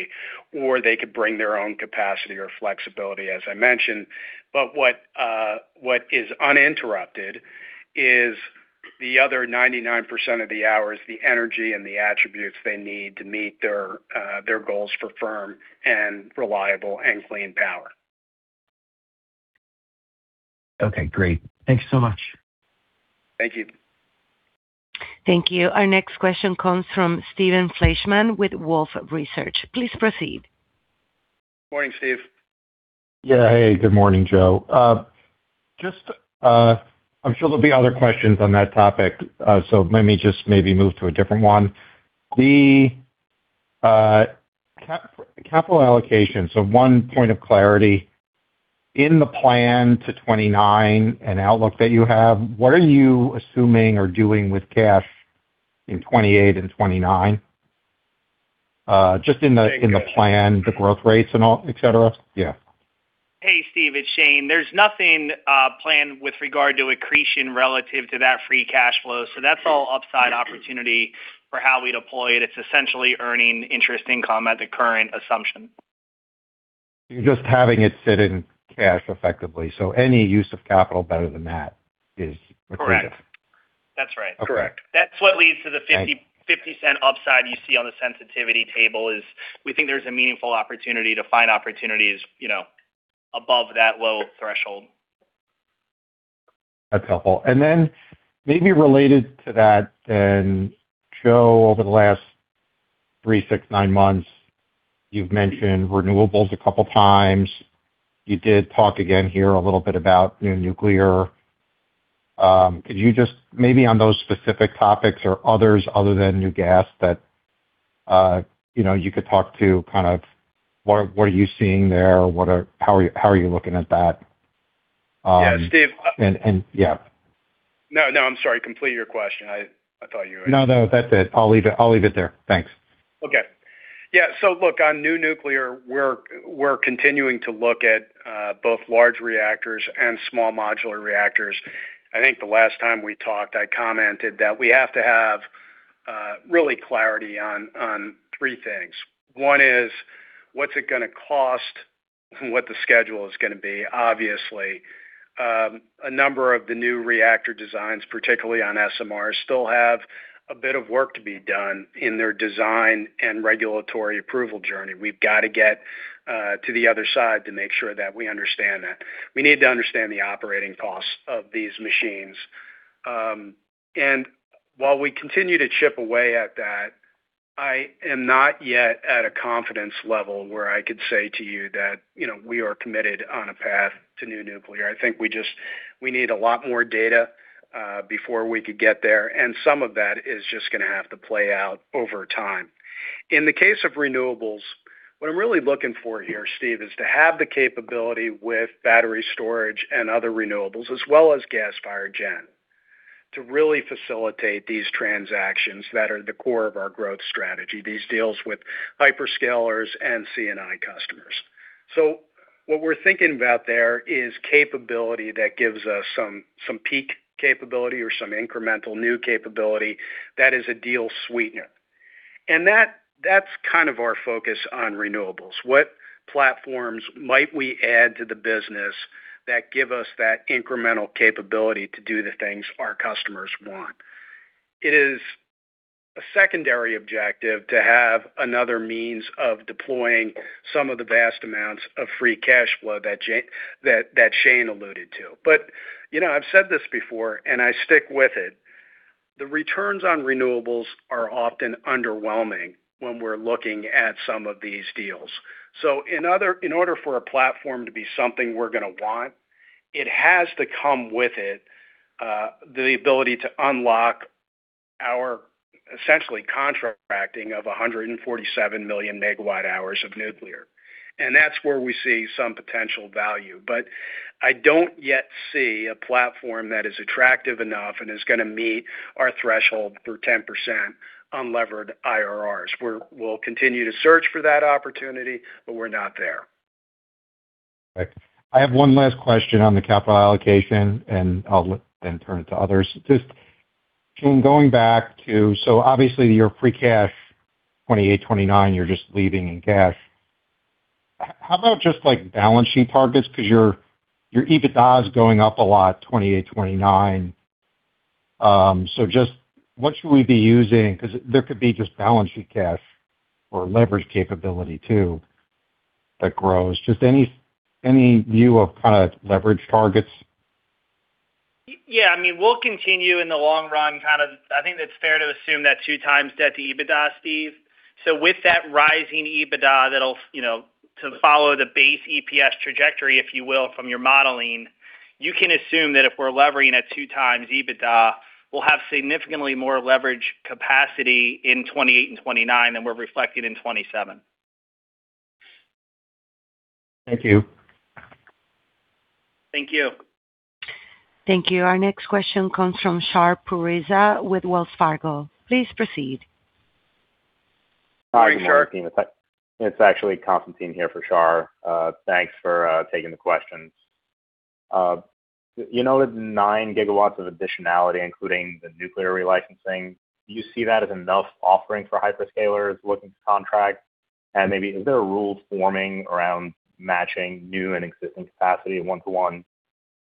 or they could bring their own capacity or flexibility, as I mentioned. What is uninterrupted is the other 99% of the hours, the energy and the attributes they need to meet their goals for firm and reliable and clean power. Okay, great. Thanks so much. Thank you. Thank you. Our next question comes from Steve Fleishman with Wolfe Research. Please proceed. Morning, Steve. Hey, good morning, Joe. Just, I'm sure there'll be other questions on that topic, so let me just maybe move to a different one. The capital allocation. One point of clarity. In the plan to 2029 and outlook that you have, what are you assuming or doing with cash in 2028 and 2029? Just in the plan, the growth rates and all, etc. Yeah. Hey, Steve, it's Shane. There's nothing planned with regard to accretion relative to that free cash flow. That's all upside opportunity for how we deploy it. It's essentially earning interest income at the current assumption. You're just having it sit in cash effectively. Any use of capital better than that is material. Correct. That's right. Correct. That's what leads to the $0.50 upside you see on the sensitivity table, is we think there's a meaningful opportunity to find opportunities, you know, above that low threshold. That's helpful. Maybe related to that then, Joe, over the last three, six, nine months, you've mentioned renewables a couple times. You did talk again here a little bit about new nuclear. Could you just maybe on those specific topics or other than new gas that, you know, you could talk to kind of what are you seeing there? How are you looking at that? Yeah, Steve. Yeah. No, no, I'm sorry. Complete your question. I thought you were- No, no, that's it. I'll leave it there. Thanks. Look, on new nuclear, we're continuing to look at both large reactors and small modular reactors. I think the last time we talked, I commented that we have to have real clarity on three things. One is what's it gonna cost and what the schedule is gonna be. Obviously, a number of the new reactor designs, particularly on SMR, still have a bit of work to be done in their design and regulatory approval journey. We've got to get to the other side to make sure that we understand that. We need to understand the operating costs of these machines. While we continue to chip away at that, I am not yet at a confidence level where I could say to you that, you know, we are committed on a path to new nuclear. I think we need a lot more data before we could get there, and some of that is just gonna have to play out over time. In the case of renewables, what I'm really looking for here, Steve, is to have the capability with battery storage and other renewables as well as gas-fired gen to really facilitate these transactions that are the core of our growth strategy, these deals with hyperscalers and C&I customers. What we're thinking about there is capability that gives us some peak capability or some incremental new capability that is a deal sweetener. That's kind of our focus on renewables. What platforms might we add to the business that give us that incremental capability to do the things our customers want? It is a secondary objective to have another means of deploying some of the vast amounts of free cash flow that Shane alluded to. You know, I've said this before, and I stick with it, the returns on renewables are often underwhelming when we're looking at some of these deals. In order for a platform to be something we're gonna want, it has to come with it, the ability to unlock our essentially contracting of 147 million MWh of nuclear. That's where we see some potential value. I don't yet see a platform that is attractive enough and is gonna meet our threshold for 10% unlevered IRRs. We'll continue to search for that opportunity, but we're not there. Right. I have one last question on the capital allocation, and I'll then turn it to others. Just Shane, going back to, so obviously, your free cash, 2028, 2029, you're just leaving in cash. How about just like balance sheet targets? Because your EBITDA is going up a lot, 2028, 2029. Just what should we be using? Because there could be just balance sheet cash or leverage capability too that grows. Just any view of kind of leverage targets? Yeah, I mean, we'll continue in the long run kind of. I think it's fair to assume that 2x debt to EBITDA, Steve. With that rising EBITDA, that'll, you know, to follow the base EPS trajectory, if you will, from your modeling, you can assume that if we're levering at 2x EBITDA, we'll have significantly more leverage capacity in 2028 and 2029 than we're reflecting in 2027. Thank you. Thank you. Thank you. Our next question comes from Shar Pourreza with Wells Fargo. Please proceed. Good morning, Shar. Hi, Constantine. It's actually Constantine here for Shar. Thanks for taking the questions. You know, with nine GW of additionality, including the nuclear relicensing, do you see that as enough offering for hyperscalers looking to contract? Maybe is there a rule forming around matching new and existing capacity one-to-one,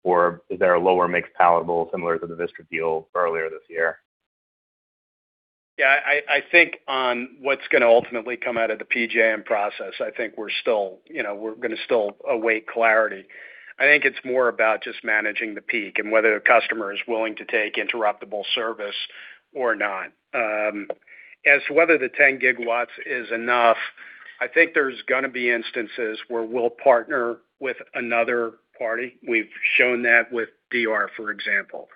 or is there a lower mix palatable similar to the Vistra deal earlier this year? Yeah, I think on what's gonna ultimately come out of the PJM process, I think we're still, you know, we're gonna still await clarity. I think it's more about just managing the peak and whether the customer is willing to take interruptible service or not. As to whether the 10 GW is enough, I think there's gonna be instances where we'll partner with another party. We've shown that with DR, for example,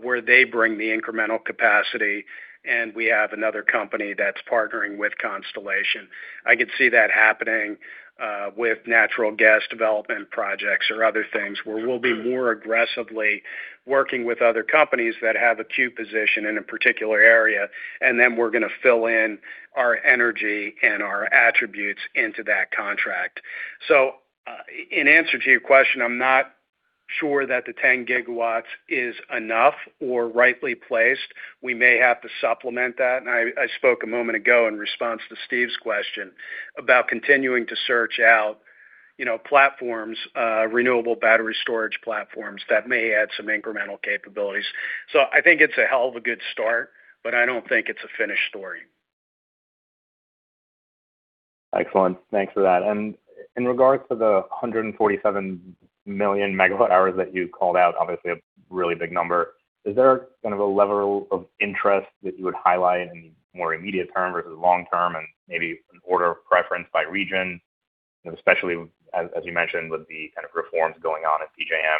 where they bring the incremental capacity, and we have another company that's partnering with Constellation. I could see that happening with natural gas development projects or other things, where we'll be more aggressively working with other companies that have a queue position in a particular area, and then we're gonna fill in our energy and our attributes into that contract. In answer to your question, I'm not sure that the 10 gigawatts is enough or rightly placed. We may have to supplement that. I spoke a moment ago in response to Steve's question about continuing to search out, you know, platforms, renewable battery storage platforms that may add some incremental capabilities. I think it's a hell of a good start, but I don't think it's a finished story. Excellent. Thanks for that. In regards to the 147 million MWh that you called out, obviously a really big number, is there kind of a level of interest that you would highlight in more immediate term versus long-term and maybe an order of preference by region, especially as you mentioned, with the kind of reforms going on at PJM?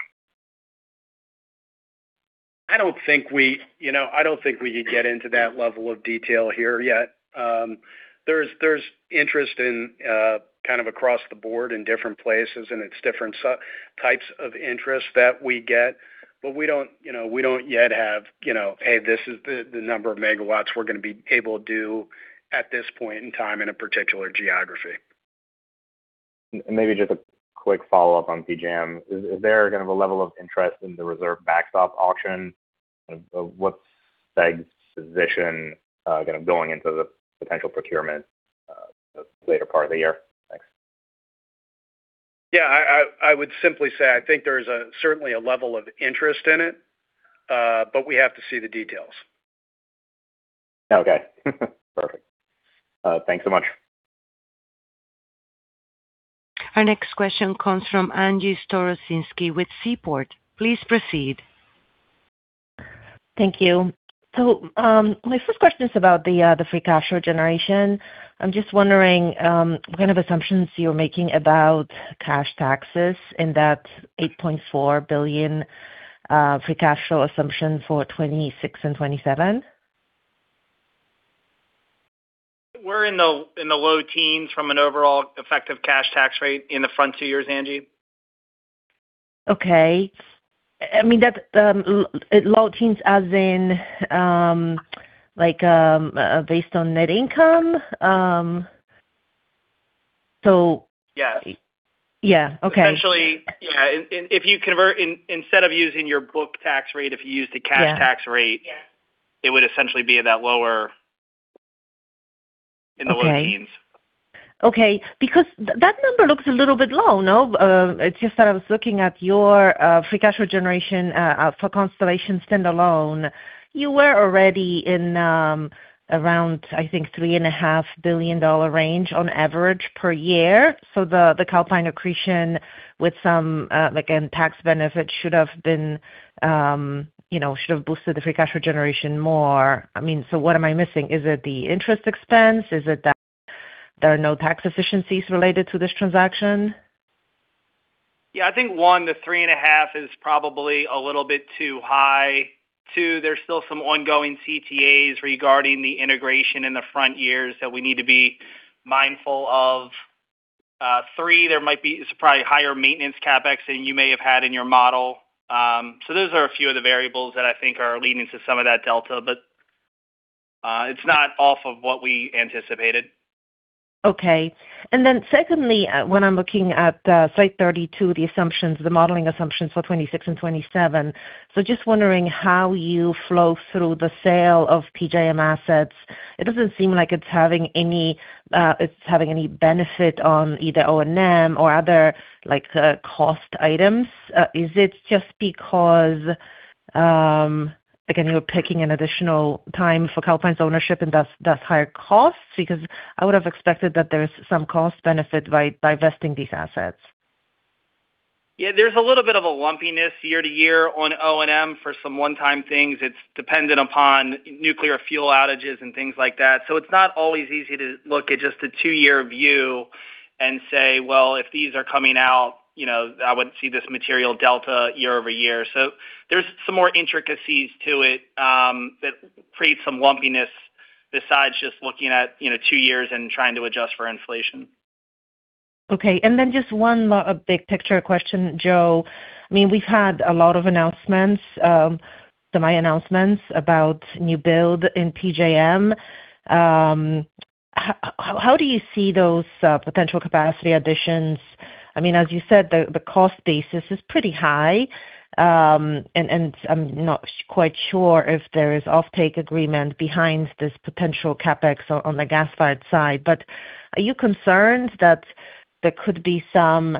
I don't think we, you know, could get into that level of detail here yet. There's interest in kind of across the board in different places, and it's different types of interests that we get. We don't, you know, yet have, you know, hey, this is the number of megawatts we're gonna be able to do at this point in time in a particular geography. Maybe just a quick follow-up on PJM. Is there kind of a level of interest in the reserve backstop auction? What's CEG's position, kind of going into the potential procurement, later part of the year? Thanks. Yeah, I would simply say I think there's certainly a level of interest in it, but we have to see the details. Okay. Perfect. Thanks so much. Our next question comes from Angie Storozynski with Seaport. Please proceed. Thank you. My first question is about the free cash flow generation. I'm just wondering what kind of assumptions you're making about cash taxes in that $8.4 billion free cash flow assumption for 2026 and 2027? We're in the low teens from an overall effective cash tax rate in the front two years, Angie. Okay. I mean, that low teens as in, like, based on net income? So- Yeah. Yeah. Okay. Essentially, yeah. If you convert instead of using your book tax rate, if you use the cash tax rate. Yeah. It would essentially be that lower in the low teens. Okay. Because that number looks a little bit low. No? It's just that I was looking at your free cash flow generation for Constellation standalone. You were already in around, I think, $3.5 billion range on average per year. So the Calpine accretion with some again tax benefits should have been, you know, should have boosted the free cash flow generation more. I mean, so what am I missing? Is it the interest expense? Is it that there are no tax efficiencies related to this transaction? Yeah, I think, one, the 3.5% is probably a little bit too high. Two, there's still some ongoing CTAs regarding the integration in the front years that we need to be mindful of. Three, there might be probably higher maintenance CapEx than you may have had in your model. So those are a few of the variables that I think are leading to some of that delta, but it's not off of what we anticipated. Okay. Secondly, when I'm looking at slide 32, the assumptions, the modeling assumptions for 2026 and 2027. Just wondering how you flow through the sale of PJM assets. It doesn't seem like it's having any benefit on either O&M or other cost items. Is it just because, again, you're picking an additional time for Calpine's ownership and thus higher costs? Because I would have expected that there's some cost benefit by vesting these assets. Yeah, there's a little bit of a lumpiness year-to-year on O&M for some one-time things. It's dependent upon nuclear fuel outages and things like that. So it's not always easy to look at just a two-year view and say, "Well, if these are coming out, you know, I wouldn't see this material delta year-over-year." So there's some more intricacies to it, that create some lumpiness besides just looking at, you know, two years and trying to adjust for inflation. Okay. Just one more big picture question, Joe. I mean, we've had a lot of announcements, semi announcements about new build in PJM. How do you see those, potential capacity additions? I mean, as you said, the cost basis is pretty high. I'm not quite sure if there is offtake agreement behind this potential CapEx on the gas-fired side. But are you concerned that there could be some,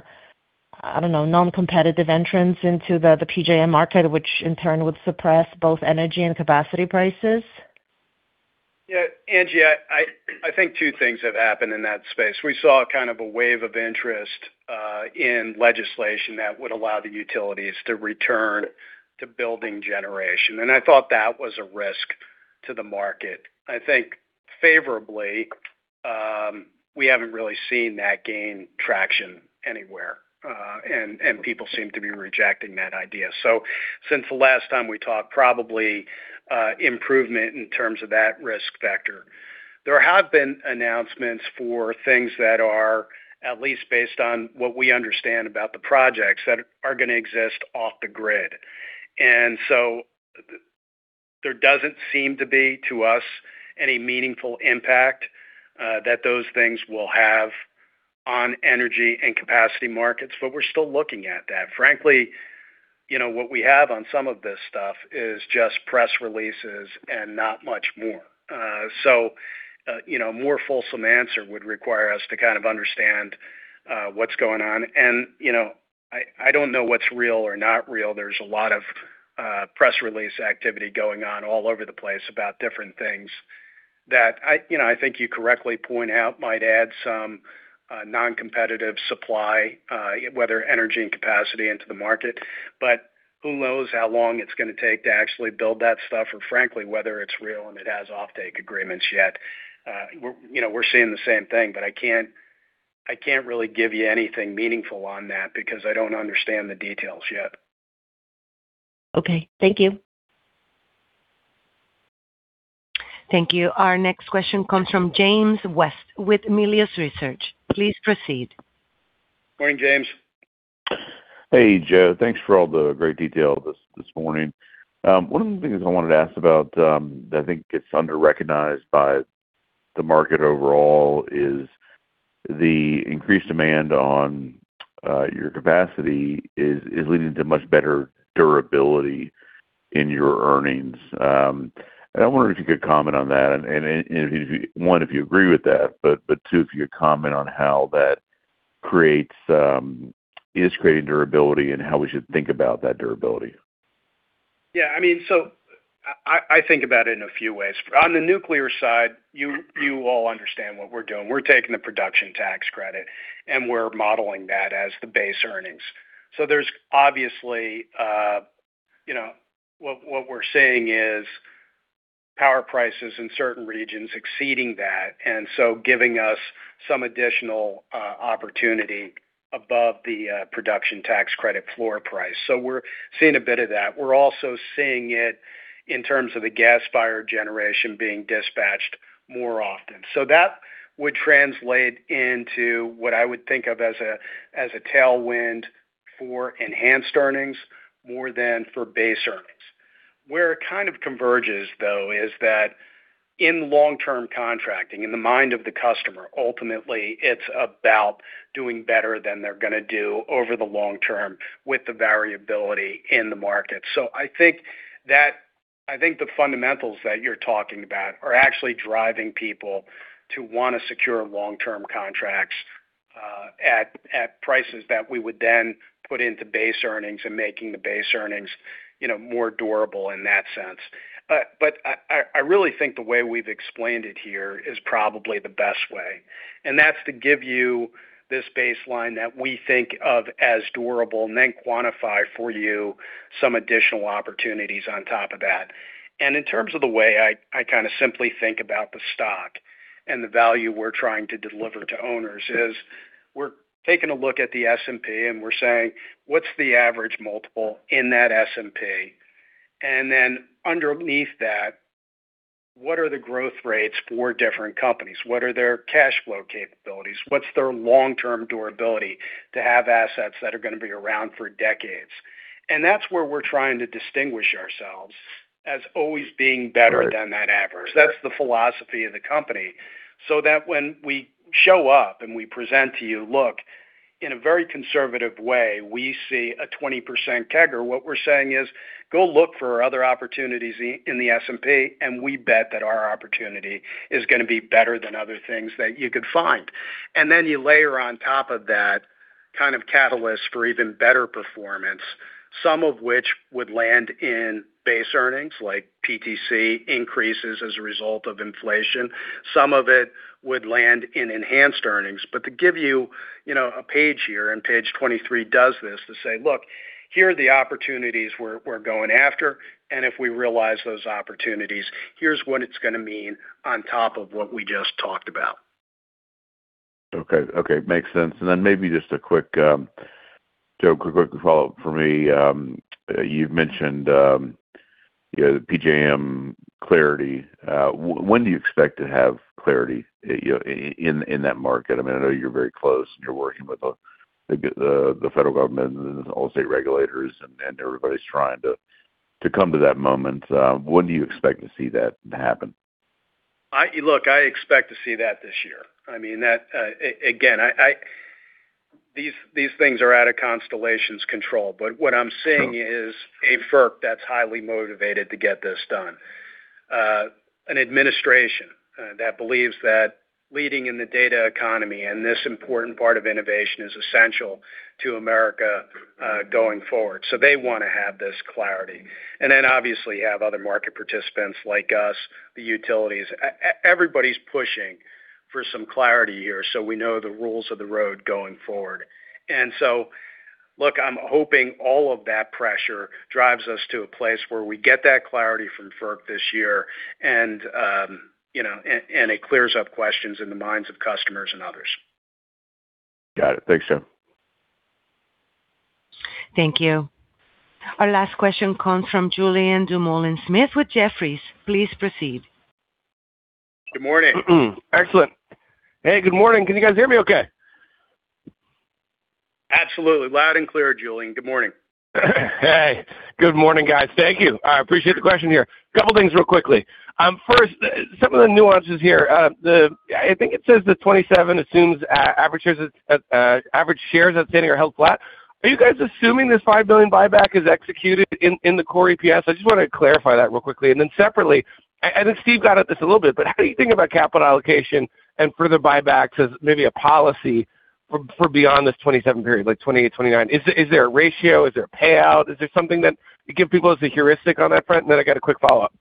I don't know, non-competitive entrants into the PJM market, which in turn would suppress both energy and capacity prices? Yeah, Angie, I think two things have happened in that space. We saw kind of a wave of interest in legislation that would allow the utilities to return to building generation, and I thought that was a risk to the market. I think favorably, we haven't really seen that gain traction anywhere, and people seem to be rejecting that idea. Since the last time we talked, probably improvement in terms of that risk factor. There have been announcements for things that are at least based on what we understand about the projects that are gonna exist off the grid. There doesn't seem to be, to us, any meaningful impact that those things will have on energy and capacity markets, but we're still looking at that. Frankly, you know, what we have on some of this stuff is just press releases and not much more. You know, more fulsome answer would require us to kind of understand what's going on. You know, I don't know what's real or not real. There's a lot of press release activity going on all over the place about different things that I, you know, I think you correctly point out, might add some non-competitive supply whether energy and capacity into the market. Who knows how long it's gonna take to actually build that stuff or frankly, whether it's real and it has offtake agreements yet. You know, we're seeing the same thing, but I can't really give you anything meaningful on that because I don't understand the details yet. Okay. Thank you. Thank you. Our next question comes from James West with Melius Research. Please proceed. Morning, James. Hey, Joe. Thanks for all the great detail this morning. One of the things I wanted to ask about that I think gets underrecognized by the market overall is the increased demand on your capacity is leading to much better durability in your earnings. I wonder if you could comment on that. If you—one, if you agree with that, but two, if you could comment on how that is creating durability and how we should think about that durability. Yeah, I mean, I think about it in a few ways. On the nuclear side, you all understand what we're doing. We're taking the production tax credit, and we're modeling that as the base earnings. What we're seeing is power prices in certain regions exceeding that, and so giving us some additional opportunity above the production tax credit floor price. We're seeing a bit of that. We're also seeing it in terms of the gas-fired generation being dispatched more often. That would translate into what I would think of as a tailwind for enhanced earnings more than for base earnings. Where it kind of converges, though, is that in long-term contracting, in the mind of the customer, ultimately, it's about doing better than they're gonna do over the long term with the variability in the market. So I think the fundamentals that you're talking about are actually driving people to wanna secure long-term contracts at prices that we would then put into base earnings and making the base earnings, you know, more durable in that sense. But I really think the way we've explained it here is probably the best way, and that's to give you this baseline that we think of as durable and then quantify for you some additional opportunities on top of that. In terms of the way I kinda simply think about the stock and the value we're trying to deliver to owners is we're taking a look at the S&P and we're saying, "What's the average multiple in that S&P? And then underneath that, what are the growth rates for different companies? What are their cash flow capabilities? What's their long-term durability to have assets that are gonna be around for decades?" That's where we're trying to distinguish ourselves as always being better than that average. That's the philosophy of the company. So that when we show up and we present to you, look, in a very conservative way, we see a 20% CAGR. What we're saying is, go look for other opportunities in the S&P, and we bet that our opportunity is gonna be better than other things that you could find. Then you layer on top of that kind of catalyst for even better performance, some of which would land in base earnings like PTC increases as a result of inflation. Some of it would land in enhanced earnings. To give you know, a page here, and page 23 does this to say, "Look, here are the opportunities we're going after, and if we realize those opportunities, here's what it's gonna mean on top of what we just talked about. Makes sense. Maybe just a quick, Joe, quick follow-up for me. You've mentioned, you know, the PJM clarity. When do you expect to have clarity, you know, in that market? I mean, I know you're very close and you're working with the federal government and all state regulators and everybody's trying to come to that moment. When do you expect to see that happen? Look, I expect to see that this year. I mean, that, these things are out of Constellation's control. What I'm seeing is a FERC that's highly motivated to get this done. An administration that believes that leading in the data economy and this important part of innovation is essential to America going forward. They wanna have this clarity. Obviously, you have other market participants like us, the utilities. Everybody's pushing for some clarity here so we know the rules of the road going forward. Look, I'm hoping all of that pressure drives us to a place where we get that clarity from FERC this year and, you know, it clears up questions in the minds of customers and others. Got it. Thanks, Joe. Thank you. Our last question comes from Julien Dumoulin-Smith with Jefferies. Please proceed. Good morning. Excellent. Hey, good morning. Can you guys hear me okay? Absolutely loud and clear, Julien. Hey, good morning, guys. Thank you. I appreciate the question here. A couple of things real quickly. First, some of the nuances here. I think it says that 2027 assumes average shares outstanding are held flat. Are you guys assuming this $5 billion buyback is executed in the core EPS? I just want to clarify that real quickly. Then separately, I think Steve got at this a little bit, but how do you think about capital allocation and further buybacks as maybe a policy for beyond this 2027 period, like 2028, 2029? Is there a ratio? Is there a payout? Is there something that you give people as a heuristic on that front? Then I got a quick follow-up.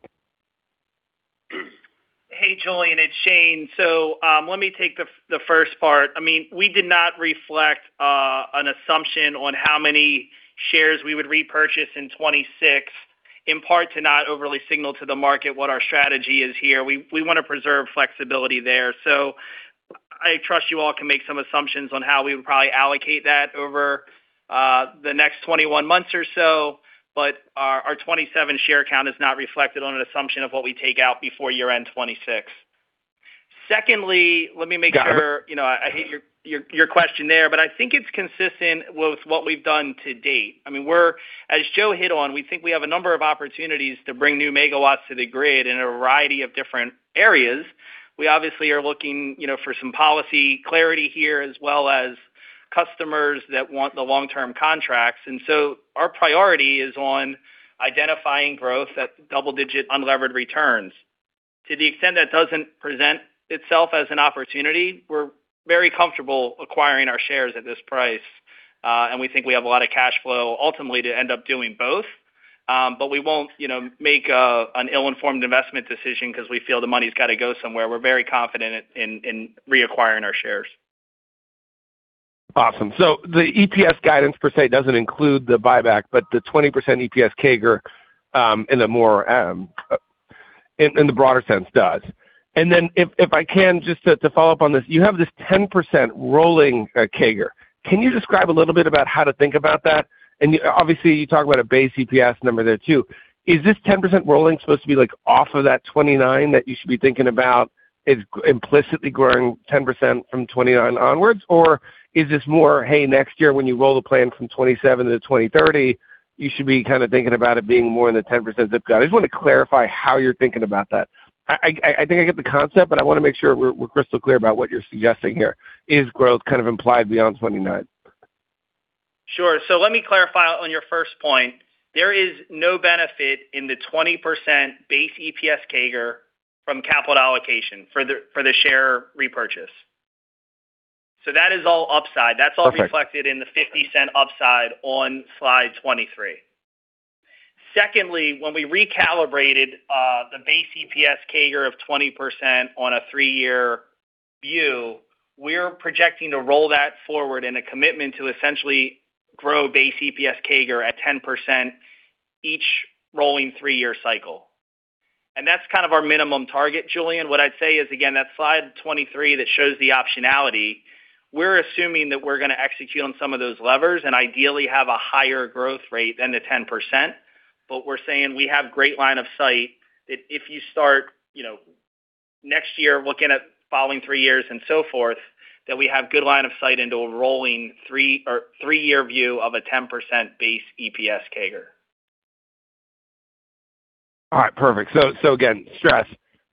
Hey, Julien, it's Shane. Let me take the first part. I mean, we did not reflect an assumption on how many shares we would repurchase in 2026, in part to not overly signal to the market what our strategy is here. We want to preserve flexibility there. I trust you all can make some assumptions on how we would probably allocate that over the next 21 months or so. Our 2027 share count is not reflected on an assumption of what we take out before year-end 2026. Secondly, let me make sure. Got it. You know, I hear your question there, but I think it's consistent with what we've done to date. I mean, we're as Joe hit on, we think we have a number of opportunities to bring new megawatts to the grid in a variety of different areas. We obviously are looking, you know, for some policy clarity here, as well as customers that want the long-term contracts. Our priority is on identifying growth at double-digit unlevered returns. To the extent that doesn't present itself as an opportunity, we're very comfortable acquiring our shares at this price, and we think we have a lot of cash flow ultimately to end up doing both. We won't, you know, make an ill-informed investment decision because we feel the money's got to go somewhere. We're very confident in reacquiring our shares. Awesome. The EPS guidance per se doesn't include the buyback, but the 20% EPS CAGR in the broader sense does. If I can just to follow up on this, you have this 10% rolling CAGR. Can you describe a little bit about how to think about that? Obviously, you talk about a base EPS number there too. Is this 10% rolling supposed to be like off of that 29 that you should be thinking about is implicitly growing 10% from 29 onwards? Or is this more, hey, next year when you roll the plan from 27 to 2030, you should be kind of thinking about it being more than the 10% zip guide. I just want to clarify how you're thinking about that. I think I get the concept, but I want to make sure we're crystal clear about what you're suggesting here. Is growth kind of implied beyond 29? Sure. Let me clarify on your first point. There is no benefit in the 20% base EPS CAGR from capital allocation for the share repurchase. That is all upside. Perfect. That's all reflected in the $0.50 upside on slide 23. Secondly, when we recalibrated the base EPS CAGR of 20% on a three-year view, we're projecting to roll that forward in a commitment to essentially grow base EPS CAGR at 10% each rolling three-year cycle. That's kind of our minimum target, Julian. What I'd say is again, that slide 23 that shows the optionality, we're assuming that we're gonna execute on some of those levers and ideally have a higher growth rate than the 10%. We're saying we have great line of sight if you start, you know, next year looking at following three years and so forth, that we have good line of sight into a rolling three-year view of a 10% base EPS CAGR. All right. Perfect. Again, stress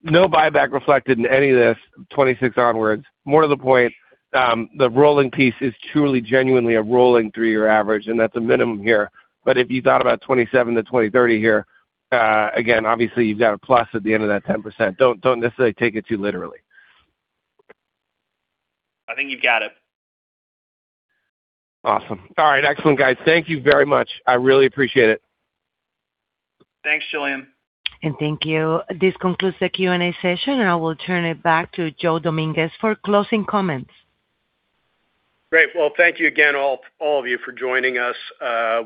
no buyback reflected in any of this 2026 onwards. More to the point, the rolling piece is truly genuinely a rolling three-year average, and that's a minimum here. If you thought about 2027 to 2030 here, again, obviously you've got a plus at the end of that 10%+. Don't necessarily take it too literally. I think you got it. Awesome. All right. Excellent, guys. Thank you very much. I really appreciate it. Thanks, Julien. Thank you. This concludes the Q&A session, and I will turn it back to Joe Dominguez for closing comments. Great. Well, thank you again, all of you for joining us.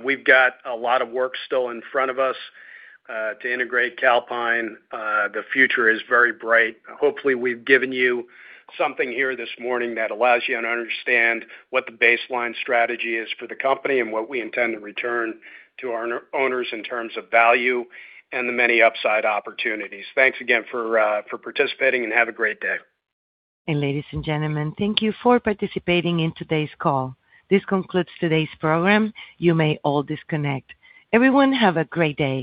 We've got a lot of work still in front of us to integrate Calpine. The future is very bright. Hopefully, we've given you something here this morning that allows you to understand what the baseline strategy is for the company and what we intend to return to our owners in terms of value and the many upside opportunities. Thanks again for participating, and have a great day. Ladies and gentlemen, thank you for participating in today's call. This concludes today's program. You may all disconnect. Everyone, have a great day.